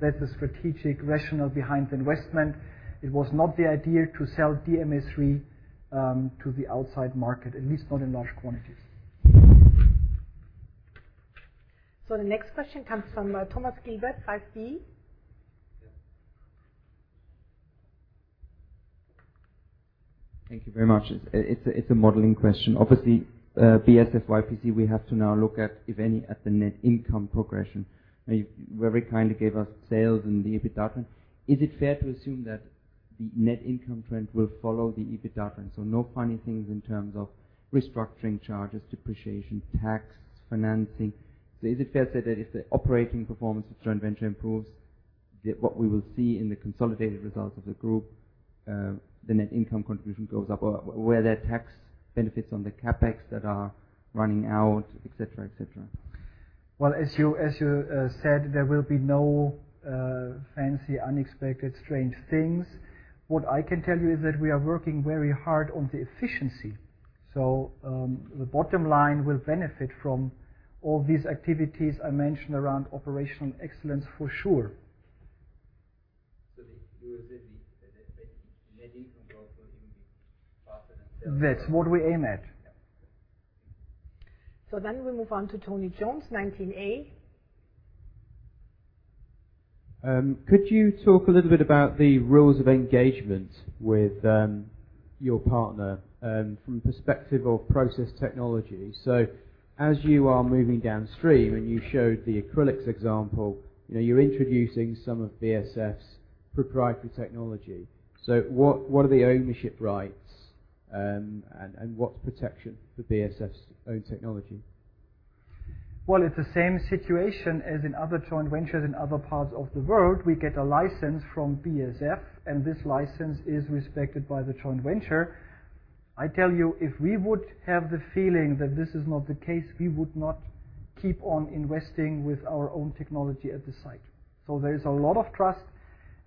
That's the strategic rationale behind the investment. It was not the idea to sell DMA3 to the outside market, at least not in large quantities. The next question comes from Thomas Gilbert, five B. Thank you very much. It's a modeling question. Obviously, BASF-YPC, we have to now look at, if any, at the net income progression. Now, you very kindly gave us sales and the EBITDA. Is it fair to assume that the net income trend will follow the EBITDA trends? No funny things in terms of restructuring charges, depreciation, tax, financing. Is it fair to say that if the operating performance of joint venture improves, what we will see in the consolidated results of the group, the net income contribution goes up, or where there are tax benefits on the CapEx that are running out, et cetera, et cetera. Well, as you said, there will be no fancy, unexpected, strange things. What I can tell you is that we are working very hard on the efficiency. The bottom line will benefit from all these activities I mentioned around operational excellence for sure. You are saying the net income growth will even be faster than sales. That's what we aim at. Yeah. We move on to Tony Jones, 19A. Could you talk a little bit about the rules of engagement with your partner from perspective of process technology? As you are moving downstream, and you showed the acrylics example, you know, you're introducing some of BASF's proprietary technology. What are the ownership rights, and what's protection for BASF's own technology? Well, it's the same situation as in other joint ventures in other parts of the world. We get a license from BASF, and this license is respected by the joint venture. I tell you, if we would have the feeling that this is not the case, we would not keep on investing with our own technology at the site. So there is a lot of trust,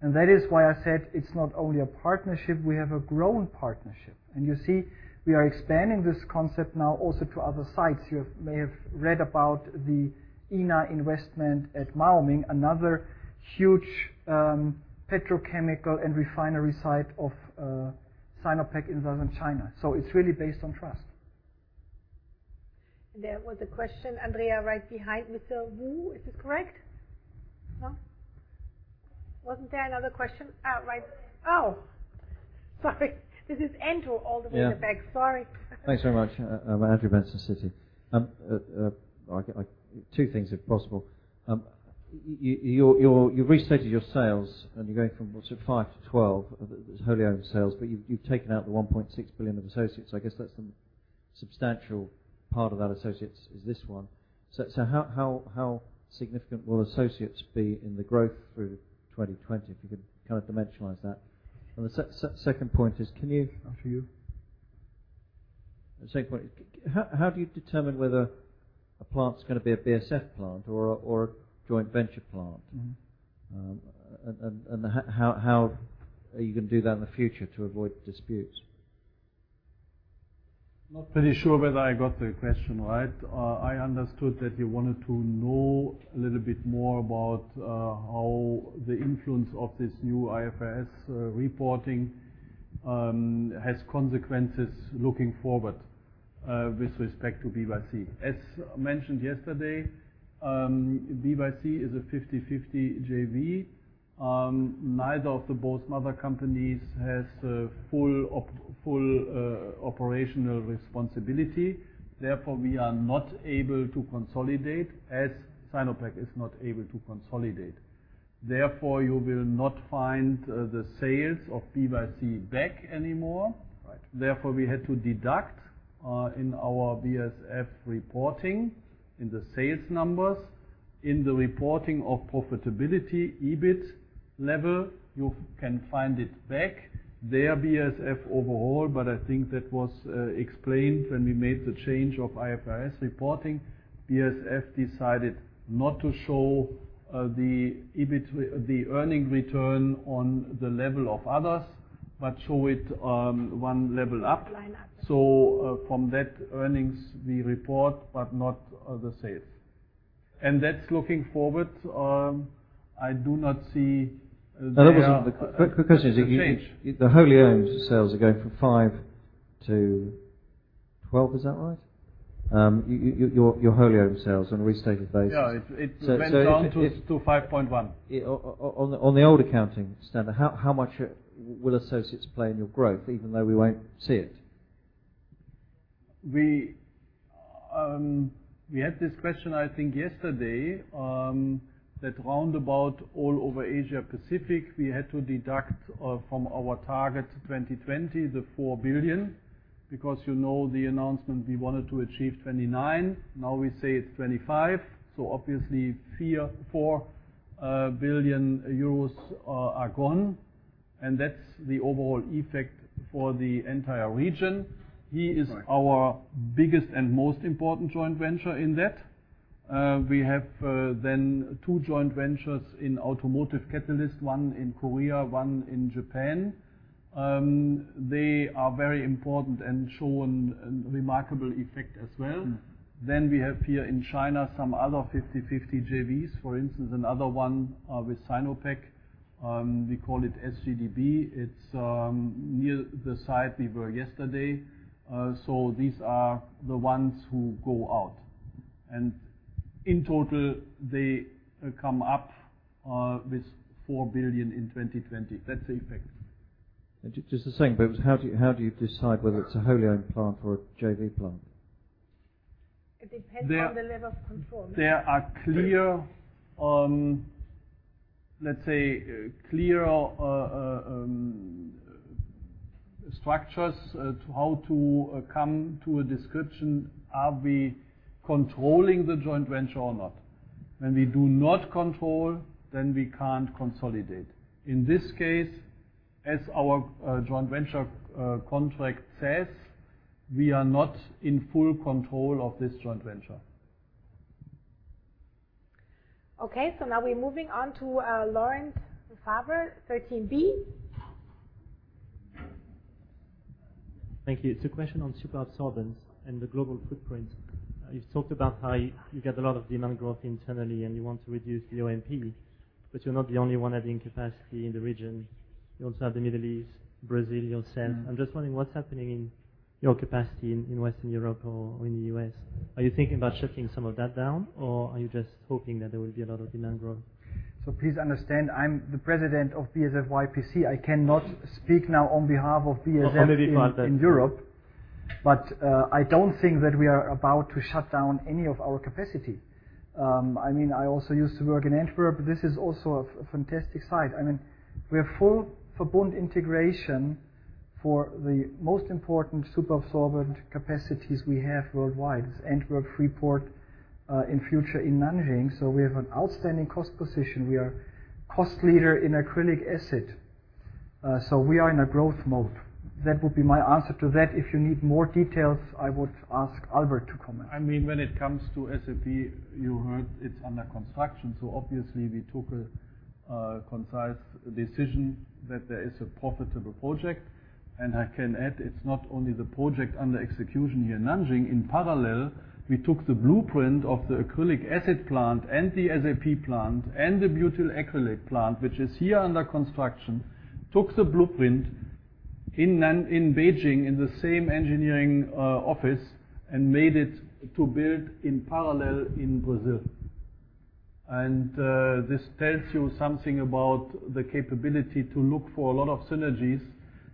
and that is why I said it's not only a partnership, we have a grown partnership. You see, we are expanding this concept now also to other sites. You may have read about the MDI investment at Maoming, another huge, petrochemical and refinery site of Sinopec in southern China. It's really based on trust. There was a question, Andrea, right behind Mr. Wu. Is this correct? No? Wasn't there another question? Sorry. This is Andrew all the way in the back. Thanks very much. Andrew Benson, Citi. Two things, if possible. You restated your sales, and you're going from sort of 5 to 12 wholly owned sales, but you've taken out the 1.6 billion of associates. I guess that's the substantial part of that associates is this one. So how significant will associates be in the growth through 2020, if you could kind of dimensionalize that? And the second point is, can you- After you. The second point. How do you determine whether a plant's gonna be a BASF plant or a joint venture plant? Mm-hmm. How are you gonna do that in the future to avoid disputes? Not quite sure whether I got the question right. I understood that you wanted to know a little bit more about how the influence of this new IFRS reporting has consequences looking forward with respect to BYC. As mentioned yesterday, BYC is a 50/50 JV. Neither of the both mother companies has full operational responsibility. Therefore, we are not able to consolidate as Sinopec is not able to consolidate. Therefore, you will not find the sales of BYC booked anymore. Right. Therefore, we had to deduct in our BASF reporting, in the sales numbers. In the reporting of profitability, EBIT level, you can find it back. There, BASF overall, but I think that was explained when we made the change of IFRS reporting. BASF decided not to show the earnings return on the level of others, but show it one level up. Line up. From that earnings we report, but not the sales. That's looking forward, I do not see there- No, that wasn't the. a change. The question is if the wholly owned sales are going from 5%-12%. Is that right? Your wholly owned sales on a restated basis. Yeah. So, so if- went down to 5.1%. On the old accounting standard, how much will associates play in your growth even though we won't see it? We had this question, I think, yesterday, that regarding all over Asia Pacific, we had to deduct from our targets 2020, the 4 billion, because you know the announcement we wanted to achieve 29, now we say it's 25. Obviously, 4 billion euros are gone. That's the overall effect for the entire region. Right. Our biggest and most important joint venture in that. We have then two joint ventures in automotive catalyst, one in Korea, one in Japan. They are very important and shown remarkable effect as well. Mm-hmm. We have here in China some other 50/50 JVs, for instance, another one with Sinopec. We call it SGDB. It's near the site we were yesterday. These are the ones who go out. In total, they come up with 4 billion in 2020. That's the effect. Just the same, but how do you decide whether it's a wholly-owned plant or a JV plant? It depends on the level of control. There are clear structures as to how to come to a decision, are we controlling the joint venture or not? When we do not control, then we can't consolidate. In this case, as our joint venture contract says, we are not in full control of this joint venture. Okay, now we're moving on to Laurent Favre, 13 B. Thank you. It's a question on superabsorbents and the global footprint. You've talked about how you get a lot of demand growth internally, and you want to reduce the OpEx, but you're not the only one adding capacity in the region. You also have the Middle East, Brazil yourself. I'm just wondering what's happening in your capacity in Western Europe or in the U.S. Are you thinking about shutting some of that down, or are you just hoping that there will be a lot of demand growth? Please understand, I'm the president of BASF-YPC. I cannot speak now on behalf of BASF in Europe. I don't think that we are about to shut down any of our capacity. I mean, I also used to work in Antwerp. This is also a fantastic site. I mean, we have full Verbund integration for the most important superabsorbent capacities we have worldwide. Antwerp, Freeport, in future in Nanjing. We have an outstanding cost position. We are cost leader in acrylic acid, so we are in a growth mode. That would be my answer to that. If you need more details, I would ask Albert to comment. I mean, when it comes to SAP, you heard it's under construction, so obviously we took a concise decision that there is a profitable project. I can add, it's not only the project under execution here in Nanjing. In parallel, we took the blueprint of the acrylic acid plant and the SAP plant and the butyl acrylate plant, which is here under construction. Took the blueprint in Beijing in the same engineering office and made it to build in parallel in Brazil. This tells you something about the capability to look for a lot of synergies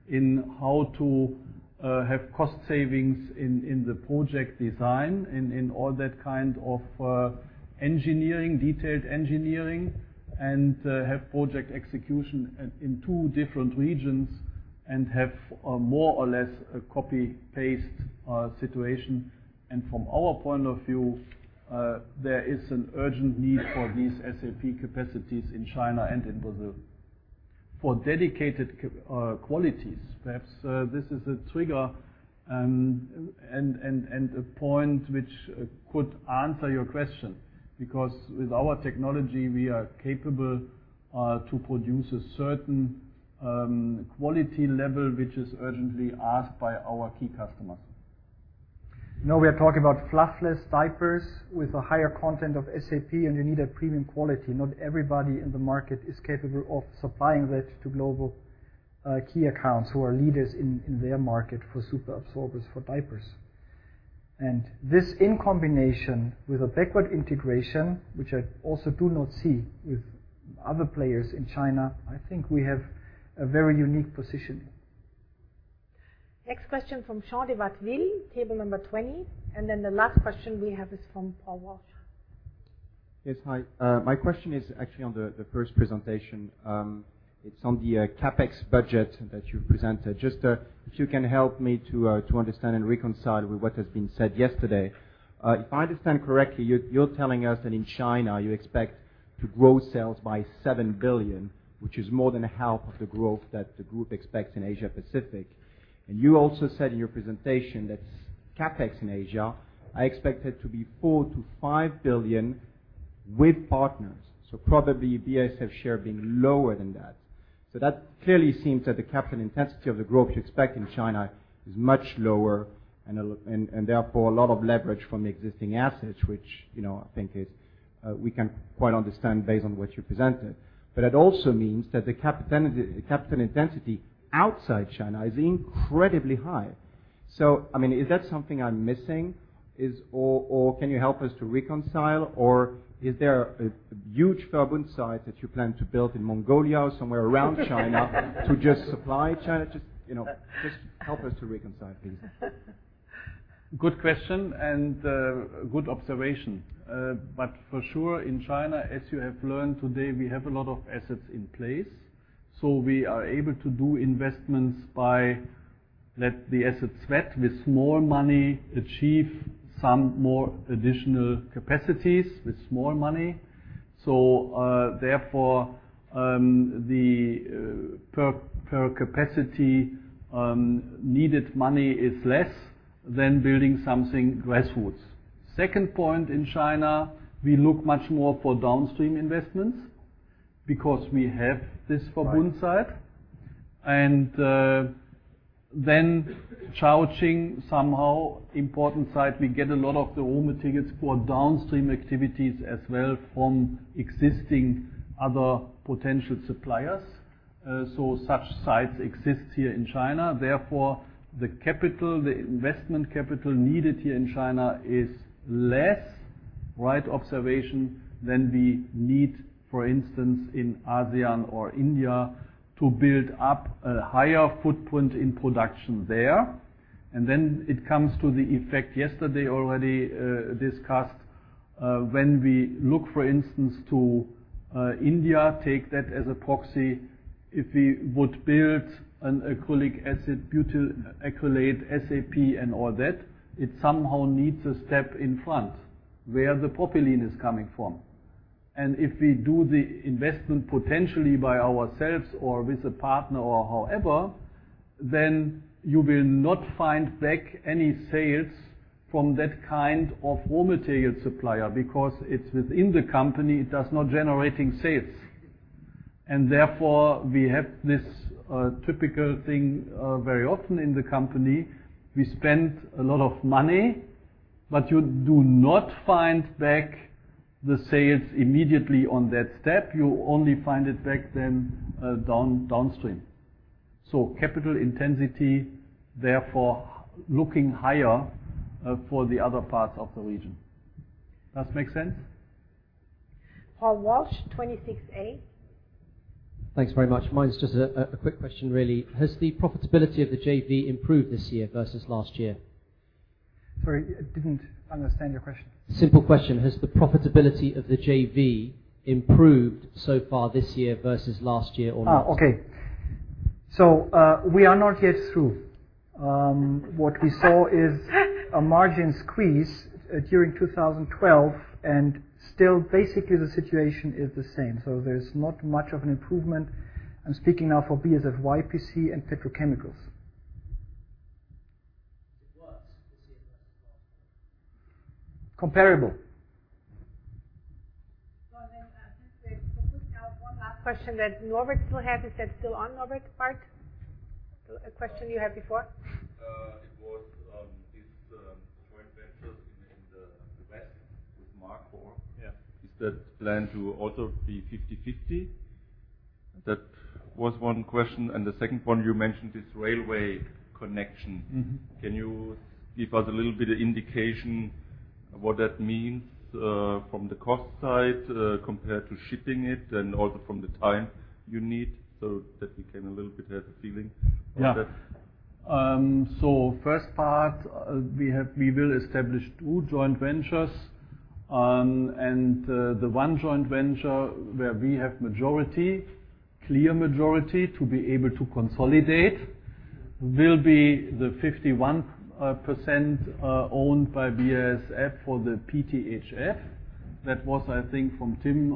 in how to have cost savings in the project design, in all that kind of engineering, detailed engineering, and have project execution in two different regions and have a more or less a copy-paste situation. From our point of view, there is an urgent need for these SAP capacities in China and in Brazil. For dedicated qualities, perhaps, this is a trigger and a point which could answer your question because with our technology, we are capable to produce a certain quality level, which is urgently asked by our key customers. Now we are talking about fluffless diapers with a higher content of SAP, and you need a premium quality. Not everybody in the market is capable of supplying that to global key accounts who are leaders in their market for superabsorbents for diapers. This in combination with a backward integration, which I also do not see with other players in China, I think we have a very unique position. Next question from Jean de Watteville, table number 20. The last question we have is from Paul Walsh. Yes. Hi. My question is actually on the first presentation. It's on the CapEx budget that you presented. Just, if you can help me to understand and reconcile with what has been said yesterday. If I understand correctly, you're telling us that in China, you expect to grow sales by 7 billion, which is more than half of the growth that the group expects in Asia Pacific. You also said in your presentation that CapEx in Asia are expected to be 4 billion-5 billion with partners, so probably BASF share being lower than that. That clearly seems that the capital intensity of the growth you expect in China is much lower and therefore, a lot of leverage from existing assets, which, you know, I think is, we can quite understand based on what you presented. It also means that the capital intensity outside China is incredibly high. I mean, is that something I'm missing? Can you help us to reconcile? Is there a huge Verbund site that you plan to build in Mongolia or somewhere around China to just supply China? You know, just help us to reconcile, please. Good question and good observation. But for sure in China, as you have learned today, we have a lot of assets in place, so we are able to do investments by let the assets sweat with more money, achieve some more additional capacities with more money. Therefore, the per capacity needed money is less than building something grassroots. Second point in China, we look much more for downstream investments because we have this Verbund site. Then Chongqing, somehow important site, we get a lot of the raw materials for downstream activities as well from existing other potential suppliers. Such sites exist here in China. Therefore, the capital, the investment capital needed here in China is less, right observation, than we need, for instance, in ASEAN or India to build up a higher footprint in production there. It comes to the effect yesterday already discussed, when we look, for instance, to India, take that as a proxy. If we would build an acrylic acid, butyl acrylate, SAP and all that, it somehow needs a step in front where the propylene is coming from. If we do the investment potentially by ourselves or with a partner or however, then you will not find back any sales from that kind of raw material supplier because it's within the company, it does not generating sales. Therefore, we have this typical thing very often in the company. We spend a lot of money, but you do not find back the sales immediately on that step. You only find it back then, downstream. Capital intensity, therefore, looking higher, for the other parts of the region. Does it make sense? Paul Walsh, 26A. Thanks very much. Mine's just a quick question, really. Has the profitability of the JV improved this year versus last year? Sorry, I didn't understand your question. Simple question. Has the profitability of the JV improved so far this year versus last year or not? Okay, we are not yet through. What we saw is a margin squeeze during 2012, and still, basically the situation is the same. There's not much of an improvement. I'm speaking now for BASF-YPC and petrochemicals. It was the same as last year. Comparable. Well, since we're pushing out, one last question that Norbert still has. Is that still on, Norbert, part? A question you had before. It was these joint ventures in the West with Markor. Yeah. Is the plan to also be 50/50? That was one question. The second one, you mentioned this railway connection. Mm-hmm. Can you give us a little bit of indication what that means, from the cost side, compared to shipping it and also from the time you need so that we can a little bit have the feeling about that? Yeah. First part, we will establish two joint ventures. The one joint venture where we have majority, clear majority to be able to consolidate, will be the 51% owned by BASF for the PTHF. That was, I think, from Tim,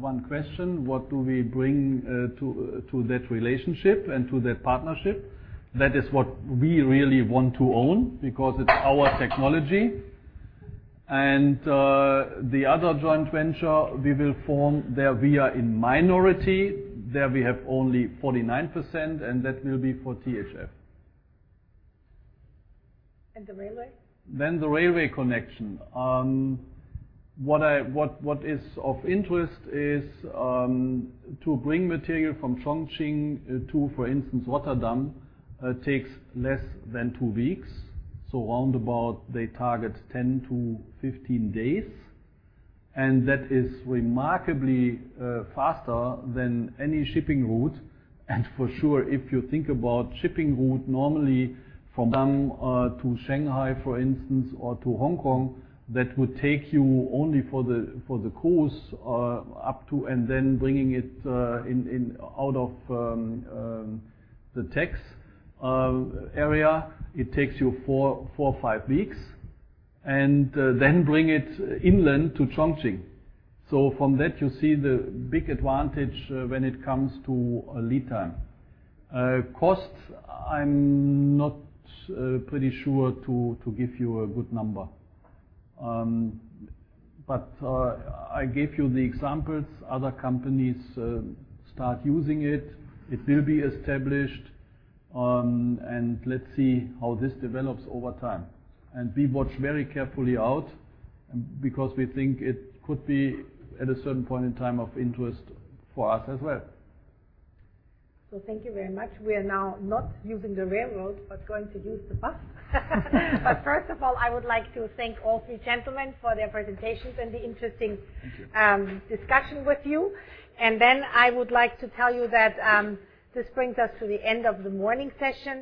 one question, what do we bring to that relationship and to that partnership? That is what we really want to own because it's our technology. The other joint venture we will form, there we are in minority. There we have only 49%, and that will be for THF. The railway? The railway connection. What is of interest is to bring material from Chongqing to, for instance, Rotterdam, takes less than 2 weeks. Around about they target 10-15 days. That is remarkably faster than any shipping route. For sure, if you think about shipping route, normally to Shanghai, for instance, or to Hong Kong, that would take you only to the coast and then bringing it in and out of the text area, it takes you 4 or 5 weeks, then bring it inland to Chongqing. From that, you see the big advantage when it comes to a lead time. Cost, I'm not pretty sure to give you a good number. I gave you the examples. Other companies start using it. It will be established, and let's see how this develops over time. We watch very carefully out because we think it could be at a certain point in time of interest for us as well. Thank you very much. We are now not using the railroads, but going to use the bus. First of all, I would like to thank all three gentlemen for their presentations and the interesting. Thank you. discussion with you. I would like to tell you that this brings us to the end of the morning session.